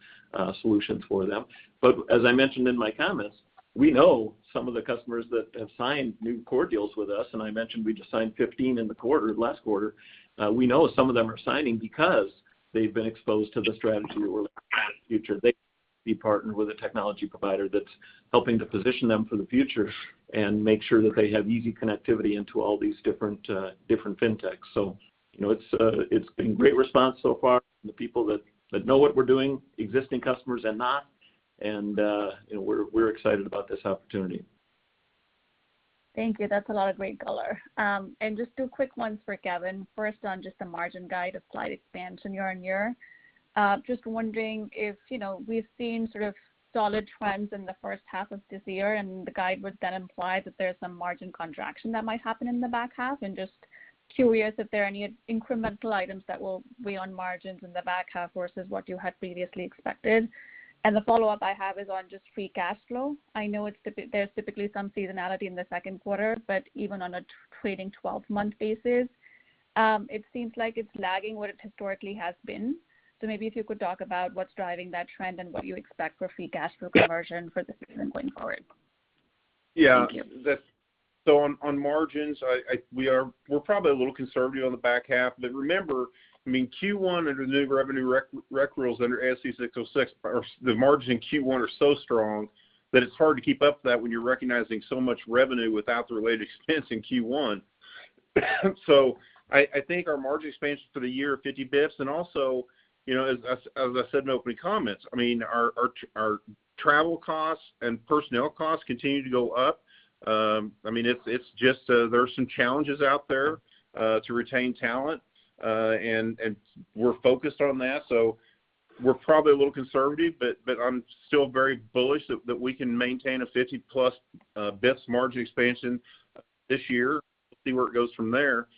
solutions for them. As I mentioned in my comments, we know some of the customers that have signed new core deals with us, and I mentioned we just signed 15 in the quarter, last quarter, we know some of them are signing because they've been exposed to the strategy future. They partnered with a technology provider that's helping to position them for the future and make sure that they have easy connectivity into all these different fintechs. You know, it's been great response so far from the people that know what we're doing, existing customers and not. You know, we're excited about this opportunity. Thank you. That's a lot of great color. Just two quick ones for Kevin. First on just the margin guide, a slight expansion year-over-year. Just wondering if, you know, we've seen sort of solid trends in the first half of this year and the guide would then imply that there's some margin contraction that might happen in the back half. Just curious if there are any incremental items that will weigh on margins in the back half versus what you had previously expected. The follow-up I have is on just free cash flow. I know there's typically some seasonality in the second quarter, but even on a trading 12-month basis, it seems like it's lagging what it historically has been. Maybe if you could talk about what's driving that trend and what you expect for free cash flow conversion for the future going forward. Yeah. Thank you. So on margins, we're probably a little conservative on the back half. But remember, I mean, Q1 and the new revenue recognition rules under ASC 606, the margins in Q1 are so strong that it's hard to keep that up when you're recognizing so much revenue without the related expense in Q1. I think our margin expansion for the year are 50 basis points. And also, you know, as I said in opening comments, I mean, our travel costs and personnel costs continue to go up. I mean, it's just there are some challenges out there to retain talent, and we're focused on that. We're probably a little conservative, but I'm still very bullish that we can maintain a 50+ basis points margin expansion this year. We'll see where it goes from there.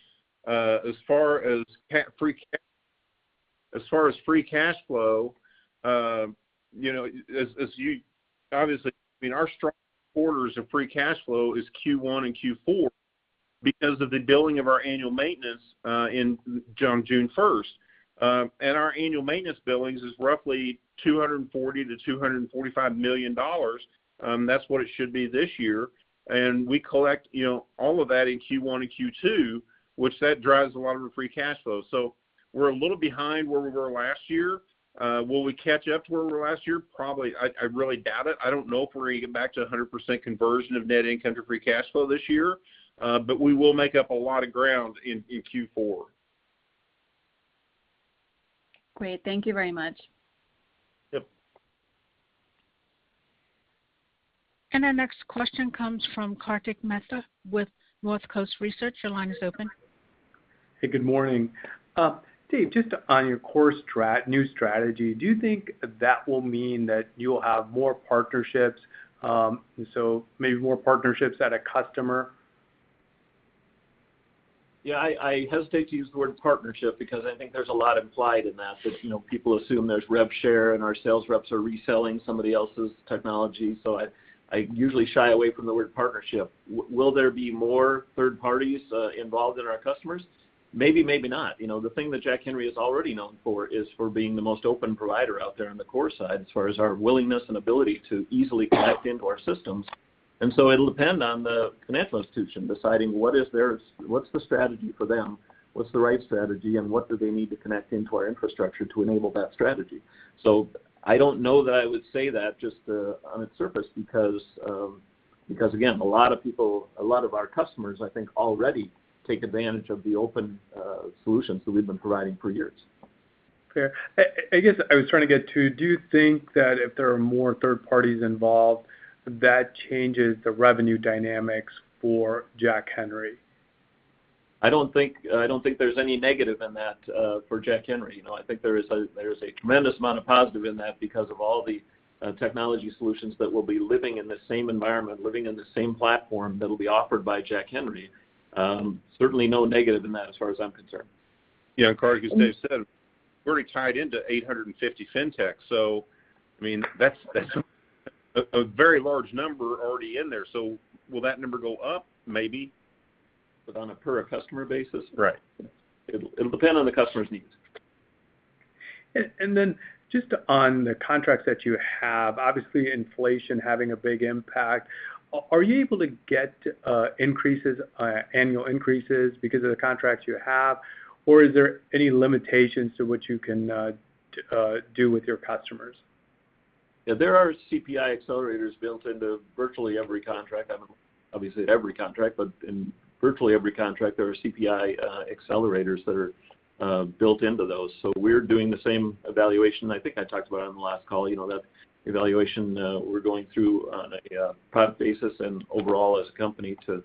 As far as free cash flow, you know, as you obviously, I mean, our strong quarters in free cash flow is Q1 and Q4 because of the billing of our annual maintenance on June first. Our annual maintenance billings is roughly $240 million-$245 million. That's what it should be this year. We collect, you know, all of that in Q1 and Q2, which that drives a lot of our free cash flow. So We're a little behind where we were last year. Will we catch up to where we were last year? Probably. I really doubt it. I don't know if we're gonna get back to 100% conversion of net income to free cash flow this year. We will make up a lot of ground in Q4. Great. Thank you very much. Yep. Our next question comes from Kartik Mehta with Northcoast Research. Your line is open. Hey, good morning. David, just on your new strategy, do you think that will mean that you'll have more partnerships, and so maybe more partnerships at a customer? Yeah, I hesitate to use the word partnership because I think there's a lot implied in that, you know, people assume there's rev share and our sales reps are reselling somebody else's technology. So I usually shy away from the word partnership. Will there be more third parties involved in our customers? Maybe not. You know, the thing that Jack Henry is already known for is for being the most open provider out there on the core side as far as our willingness and ability to easily connect into our systems. It'll depend on the financial institution deciding what's the strategy for them, what's the right strategy, and what do they need to connect into our infrastructure to enable that strategy. I don't know that I would say that just on its surface because again, a lot of people, a lot of our customers, I think already take advantage of the open solutions that we've been providing for years. Fair. I guess I was trying to get to, do you think that if there are more third parties involved, that changes the revenue dynamics for Jack Henry? I don't think there's any negative in that for Jack Henry. You know, I think there is a tremendous amount of positive in that because of all the technology solutions that will be living in the same environment, living in the same platform that'll be offered by Jack Henry. Certainly no negative in that as far as I'm concerned. Yeah, Kartik, as Dave said, we're already tied into 850 fintech, so I mean, that's a very large number already in there. So will that number go up? Maybe. On a per customer basis? Right. It'll depend on the customer's needs. Just on the contracts that you have, obviously inflation having a big impact. Are you able to get increases, annual increases because of the contracts you have? Or is there any limitations to what you can do with your customers? Yeah, there are CPI accelerators built into virtually every contract. I don't know, obviously every contract, but in virtually every contract, there are CPI accelerators that are built into those. We're doing the same evaluation I think I talked about on the last call. You know, that evaluation we're going through on a product basis and overall as a company to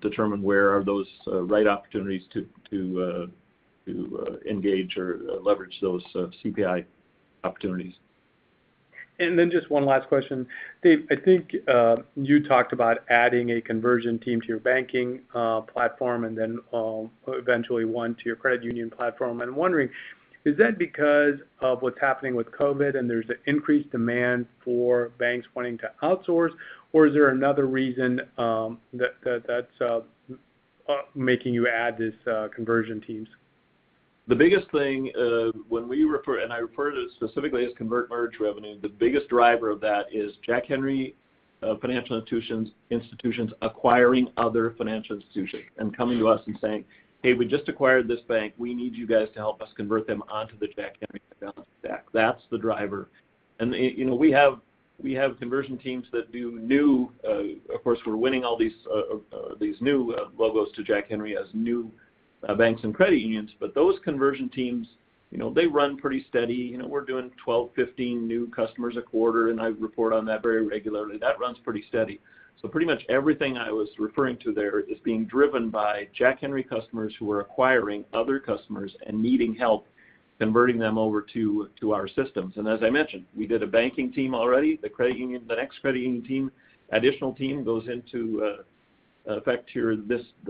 determine where are those right opportunities to engage or leverage those CPI opportunities. Just one last question. Dave, I think you talked about adding a conversion team to your banking platform and then eventually one to your credit union platform. I'm wondering, is that because of what's happening with COVID, and there's an increased demand for banks wanting to outsource, or is there another reason that's making you add these conversion teams? The biggest thing, when we refer, and I refer to specifically as convert merge revenue, the biggest driver of that is Jack Henry financial institutions acquiring other financial institutions and coming to us and saying, "Hey, we just acquired this bank. We need you guys to help us convert them onto the Jack Henry technology stack." That's the driver. You know, we have conversion teams that do new logos to Jack Henry as new banks and credit unions, but those conversion teams, you know, they run pretty steady. You know, we're doing 12, 15 new customers a quarter, and I report on that very regularly. That runs pretty steady. Pretty much everything I was referring to there is being driven by Jack Henry customers who are acquiring other customers and needing help converting them over to our systems. As I mentioned, we did a banking team already. The credit union team, the next credit union team, additional team goes into effect here,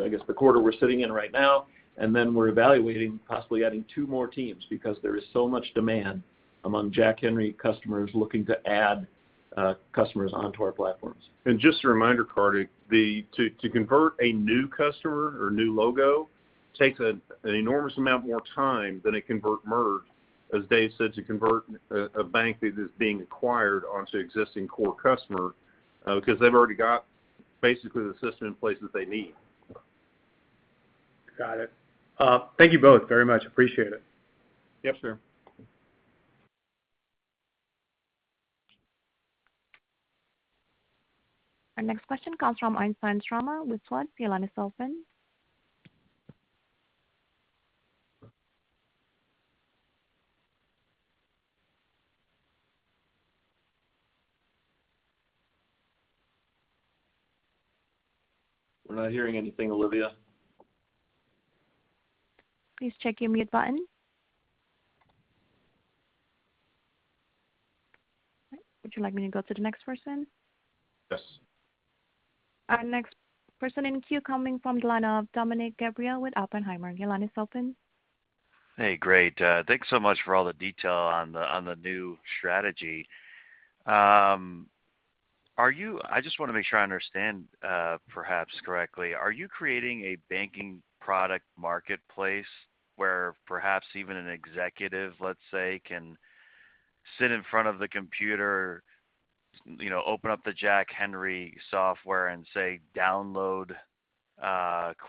I guess, the quarter we're sitting in right now. Then we're evaluating possibly adding two more teams because there is so much demand among Jack Henry customers looking to add customers onto our platforms. Just a reminder, Kartik, to convert a new customer or new logo takes an enormous amount more time than a convert merge, as Dave said, to convert a bank that is being acquired onto existing core customer, because they've already got basically the system in place that they need. Got it. Thank you both very much. Appreciate it. Yes, sir. Our next question comes from. Your line is open. We're not hearing anything, Olivia. Please check your mute button. All right, would you like me to go to the next person? Yes. Our next person in queue coming from the line of Dominick Gabriele with Oppenheimer. Your line is open. Hey, great. Thanks so much for all the detail on the new strategy. I just wanna make sure I understand, perhaps correctly. Are you creating a banking product marketplace where perhaps even an executive, let's say, can sit in front of the computer, you know, open up the Jack Henry software and say download,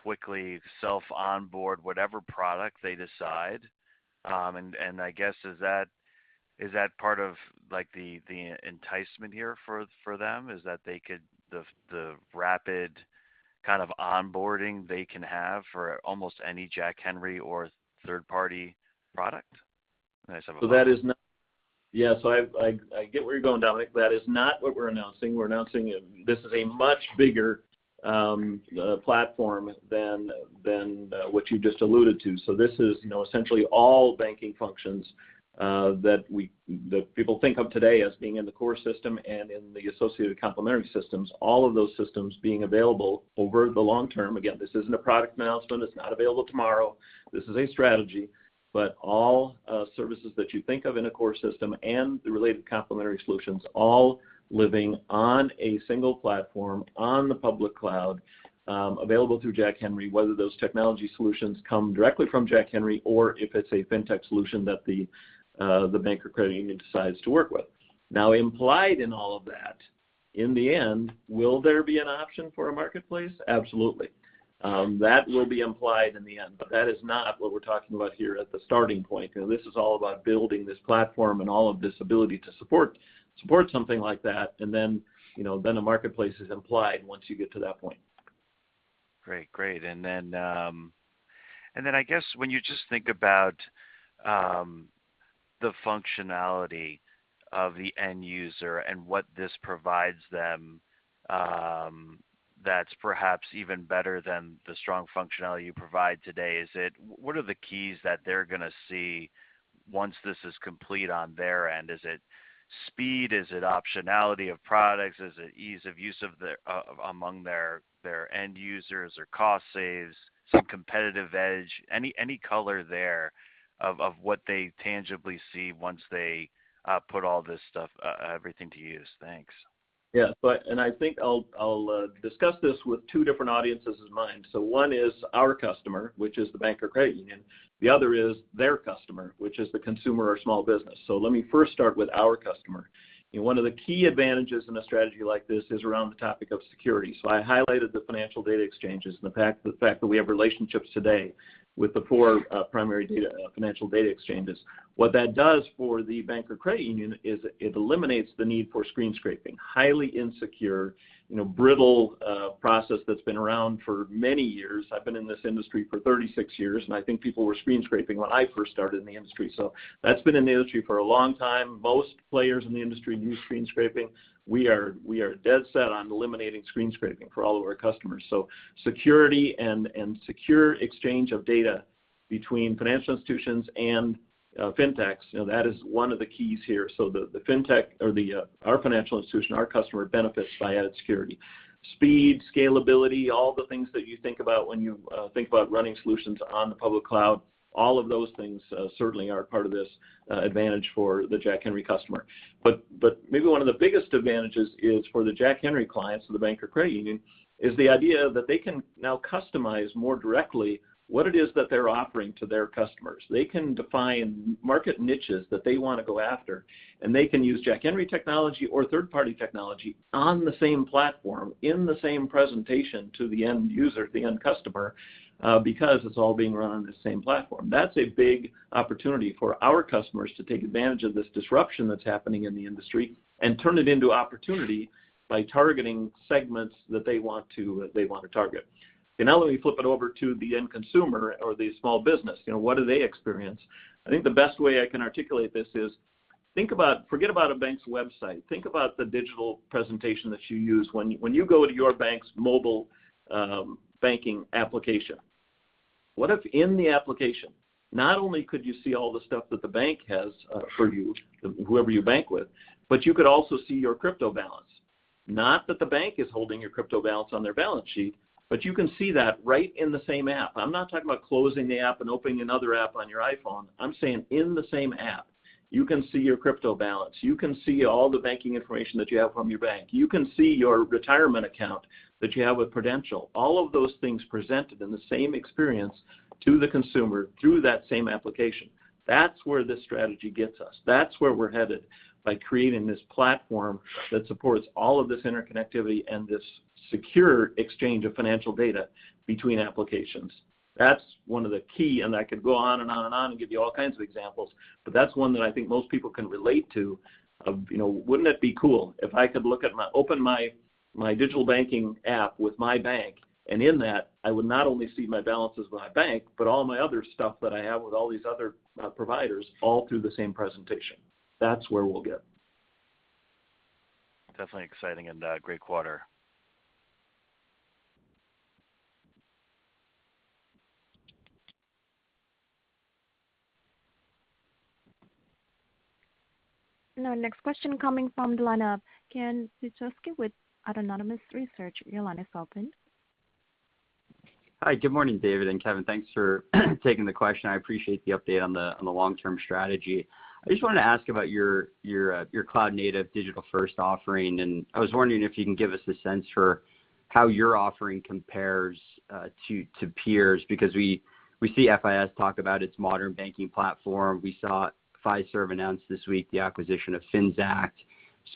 quickly self onboard whatever product they decide. I guess, is that part of like the enticement here for them, the rapid kind of onboarding they can have for almost any Jack Henry or third-party product? Yeah, I get where you're going, Dominic. That is not what we're announcing. We're announcing this is a much bigger platform than what you just alluded to. This is, you know, essentially all banking functions that people think of today as being in the core system and in the associated complementary systems, all of those systems being available over the long term. Again, this isn't a product announcement. It's not available tomorrow. This is a strategy. All services that you think of in a core system and the related complementary solutions all living on a single platform on the public cloud, available through Jack Henry, whether those technology solutions come directly from Jack Henry or if it's a fintech solution that the bank or credit union decides to work with. Now implied in all of that, in the end, will there be an option for a marketplace? Absolutely. That will be implied in the end, but that is not what we're talking about here at the starting point. You know, this is all about building this platform and all of this ability to support something like that. You know, then the marketplace is implied once you get to that point. Great. I guess when you just think about the functionality of the end user and what this provides them, that's perhaps even better than the strong functionality you provide today. What are the keys that they're gonna see once this is complete on their end? Is it speed? Is it optionality of products? Is it ease of use among their end users or cost saves, some competitive edge, any color there of what they tangibly see once they put all this stuff, everything to use? Thanks. I think I'll discuss this with two different audiences in mind. One is our customer, which is the bank or credit union. The other is their customer, which is the consumer or small business. Let me first start with our customer. One of the key advantages in a strategy like this is around the topic of security. I highlighted the financial data exchanges and the fact that we have relationships today with the four primary financial data exchanges. What that does for the bank or credit union is it eliminates the need for screen scraping, highly insecure, you know, brittle process that's been around for many years. I've been in this industry for 36 years, and I think people were screen scraping when I first started in the industry. That's been in the industry for a long time. Most players in the industry use screen scraping. We are dead set on eliminating screen scraping for all of our customers. Security and secure exchange of data between financial institutions and fintechs, you know, that is one of the keys here. The fintech or our financial institution, our customer benefits by added security. Speed, scalability, all the things that you think about when you think about running solutions on the public cloud, all of those things certainly are part of this advantage for the Jack Henry customer. Maybe one of the biggest advantages is for the Jack Henry clients or the bank or credit union is the idea that they can now customize more directly what it is that they're offering to their customers. They can define market niches that they wanna go after, and they can use Jack Henry technology or third-party technology on the same platform in the same presentation to the end user, the end customer, because it's all being run on the same platform. That's a big opportunity for our customers to take advantage of this disruption that's happening in the industry and turn it into opportunity by targeting segments that they want to target. Now let me flip it over to the end consumer or the small business. You know, what do they experience? I think the best way I can articulate this is forget about a bank's website. Think about the digital presentation that you use when you go to your bank's mobile banking application. What if in the application, not only could you see all the stuff that the bank has for you, whoever you bank with, but you could also see your crypto balance. Not that the bank is holding your crypto balance on their balance sheet, but you can see that right in the same app. I'm not talking about closing the app and opening another app on your iPhone. I'm saying in the same app, you can see your crypto balance. You can see all the banking information that you have from your bank. You can see your retirement account that you have with Prudential. All of those things presented in the same experience to the consumer through that same application. That's where this strategy gets us. That's where we're headed by creating this platform that supports all of this interconnectivity and this secure exchange of financial data between applications. That's one of the key, and I could go on and on and on and give you all kinds of examples, but that's one that I think most people can relate to of, you know, wouldn't it be cool if I could open my digital banking app with my bank, and in that, I would not only see my balances with my bank, but all my other stuff that I have with all these other providers all through the same presentation. That's where we'll get. Definitely exciting and great quarter. Now next question coming from the line of Ken Suchoski with Autonomous Research. Your line is open. Hi. Good morning, David and Kevin. Thanks for taking the question. I appreciate the update on the long-term strategy. I just wanted to ask about your cloud-native digital-first offering. I was wondering if you can give us a sense for how your offering compares to peers because we see FIS talk about its modern banking platform. We saw Fiserv announce this week the acquisition of Finxact.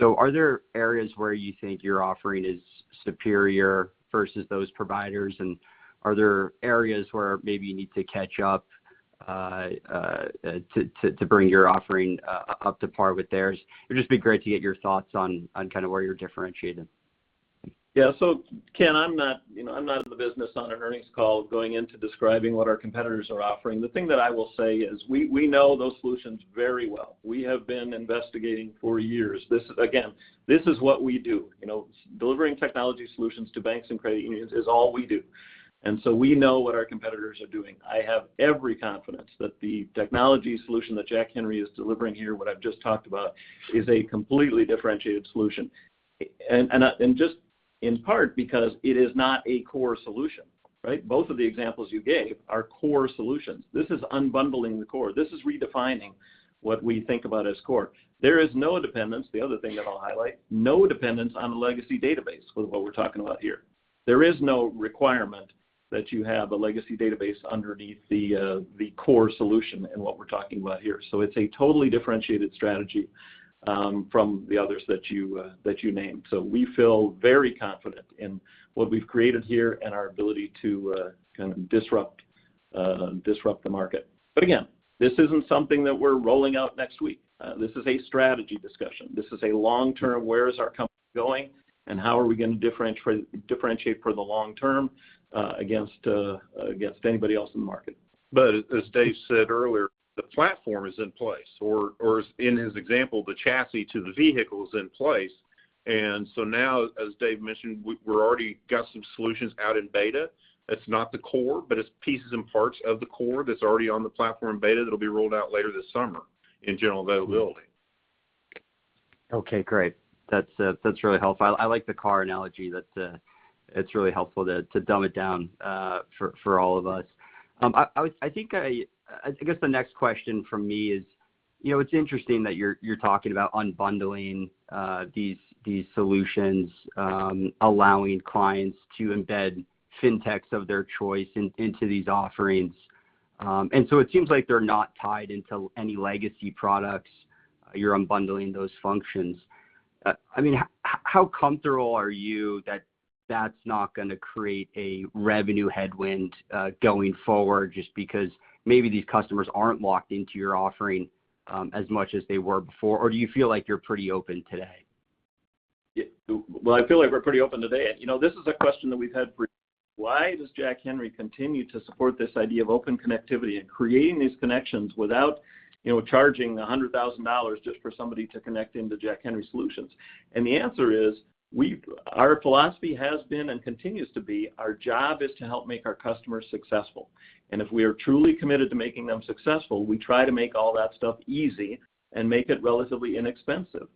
Are there areas where you think your offering is superior versus those providers? Are there areas where maybe you need to catch up to bring your offering up to par with theirs? It'd just be great to get your thoughts on kind of where you're differentiating. Yeah. Ken, I'm not, you know, I'm not in the business on an earnings call going into describing what our competitors are offering. The thing that I will say is we know those solutions very well. We have been investigating for years. This is, again, what we do. You know, delivering technology solutions to banks and credit unions is all we do, and so we know what our competitors are doing. I have every confidence that the technology solution that Jack Henry is delivering here, what I've just talked about, is a completely differentiated solution. And just in part because it is not a core solution, right? Both of the examples you gave are core solutions. This is unbundling the core. This is redefining what we think about as core. There is no dependence, the other thing that I'll highlight, no dependence on a legacy database with what we're talking about here. There is no requirement that you have a legacy database underneath the core solution in what we're talking about here. It's a totally differentiated strategy from the others that you named. We feel very confident in what we've created here and our ability to kind of disrupt the market. Again, this isn't something that we're rolling out next week. This is a strategy discussion. This is a long-term where is our company going, and how are we gonna differentiate for the long term against anybody else in the market. As Dave said earlier, the platform is in place or as in his example, the chassis to the vehicle is in place. Now as Dave mentioned, we're already got some solutions out in beta. It's not the core, but it's pieces and parts of the core that's already on the platform in beta that'll be rolled out later this summer in general availability. Okay, great. That's really helpful. I like the car analogy. That's really helpful to dumb it down for all of us. I guess the next question from me is, you know, it's interesting that you're talking about unbundling these solutions, allowing clients to embed fintechs of their choice into these offerings. It seems like they're not tied into any legacy products. You're unbundling those functions. I mean, how comfortable are you that that's not gonna create a revenue headwind going forward just because maybe these customers aren't locked into your offering as much as they were before? Or do you feel like you're pretty open today? Well, I feel like we're pretty open today. You know, this is a question that we've had for. Why does Jack Henry continue to support this idea of open connectivity and creating these connections without, you know, charging $100,000 just for somebody to connect into Jack Henry solutions? The answer is we, our philosophy has been and continues to be, our job is to help make our customers successful. If we are truly committed to making them successful, we try to make all that stuff easy and make it relatively inexpensive.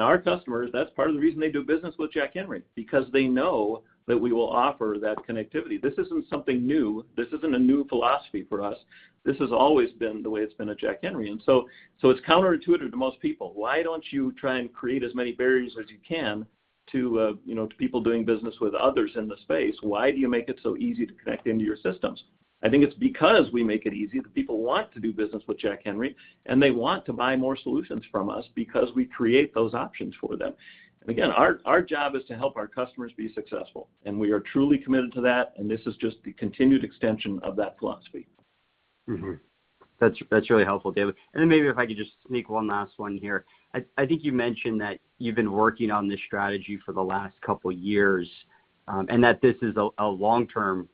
Our customers, that's part of the reason they do business with Jack Henry, because they know that we will offer that connectivity. This isn't something new. This isn't a new philosophy for us. This has always been the way it's been at Jack Henry, and so it's counterintuitive to most people. Why don't you try and create as many barriers as you can to people doing business with others in the space? Why do you make it so easy to connect into your systems? I think it's because we make it easy that people want to do business with Jack Henry, and they want to buy more solutions from us because we create those options for them. Again, our job is to help our customers be successful, and we are truly committed to that, and this is just the continued extension of that philosophy. Mm-hmm. That's really helpful, Dave. Maybe if I could just sneak one last one here. I think you mentioned that you've been working on this strategy for the last couple years, and that this is a long-term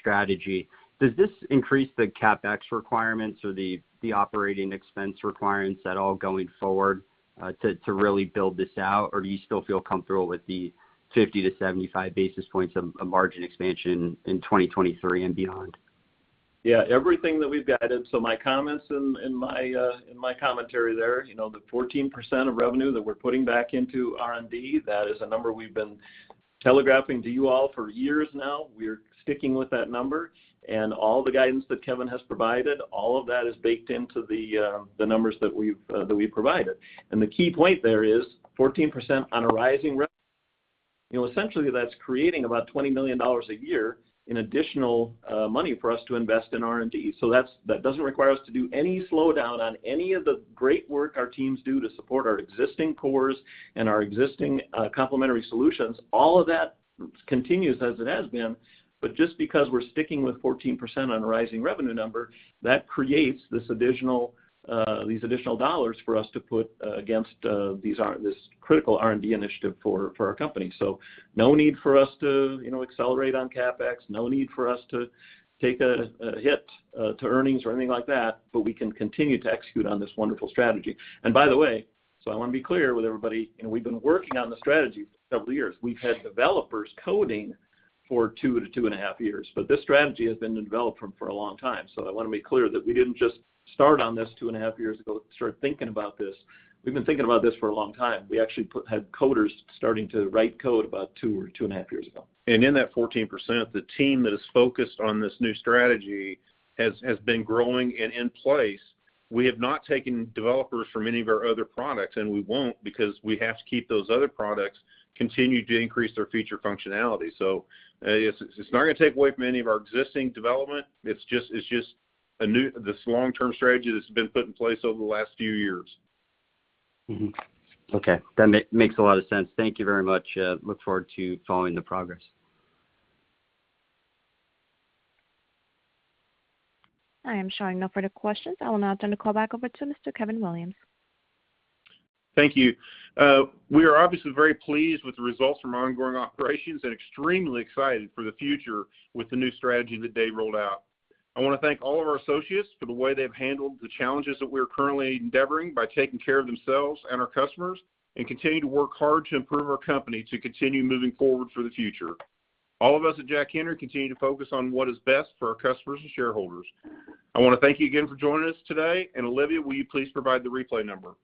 strategy. Does this increase the CapEx requirements or the operating expense requirements at all going forward, to really build this out, or do you still feel comfortable with the 50-75 basis points of margin expansion in 2023 and beyond? Yeah. Everything that we've guided, so my comments in my commentary there, you know, the 14% of revenue that we're putting back into R&D, that is a number we've been telegraphing to you all for years now. We're sticking with that number, and all the guidance that Kevin has provided, all of that is baked into the numbers that we've provided. The key point there is 14% on a rising revenue. You know, essentially that's creating about $20 million a year in additional money for us to invest in R&D. That's that doesn't require us to do any slowdown on any of the great work our teams do to support our existing cores and our existing complementary solutions. All of that continues as it has been. Just because we're sticking with 14% on a rising revenue number, that creates these additional dollars for us to put against this critical R&D initiative for our company. No need for us to, you know, accelerate on CapEx, no need for us to take a hit to earnings or anything like that, but we can continue to execute on this wonderful strategy. By the way, I want to be clear with everybody, and we've been working on the strategy for several years. We've had developers coding for 2-2.5 years, but this strategy has been in development for a long time. I want to be clear that we didn't just start on this 2.5 years ago, start thinking about this. We've been thinking about this for a long time. We actually had coders starting to write code about 2 or 2.5 years ago. In that 14%, the team that is focused on this new strategy has been growing and in place. We have not taken developers from any of our other products, and we won't because we have to keep those other products, continue to increase their feature functionality. It's not gonna take away from any of our existing development. It's just a new this long-term strategy that's been put in place over the last few years. Okay. That makes a lot of sense. Thank you very much. Look forward to following the progress. I am showing no further questions. I will now turn the call back over to Mr. Kevin Williams. Thank you. We are obviously very pleased with the results from our ongoing operations and extremely excited for the future with the new strategy that David rolled out. I wanna thank all of our associates for the way they've handled the challenges that we are currently endeavoring by taking care of themselves and our customers and continue to work hard to improve our company to continue moving forward for the future. All of us at Jack Henry continue to focus on what is best for our customers and shareholders. I wanna thank you again for joining us today. Olivia, will you please provide the replay number?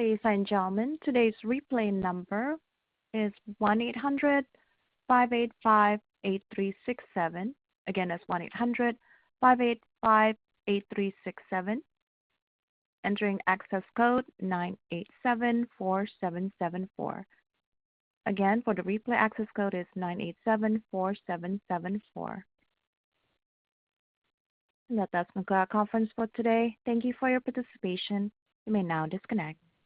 Ladies and gentlemen, today's replay number is 1800-585-8367. Again, that's 1800-585-8367. Entering access code 987-4774. Again, for the replay, access code is 987-4774. And that does conclude our conference for today. Thank you for your participation. You may now disconnect.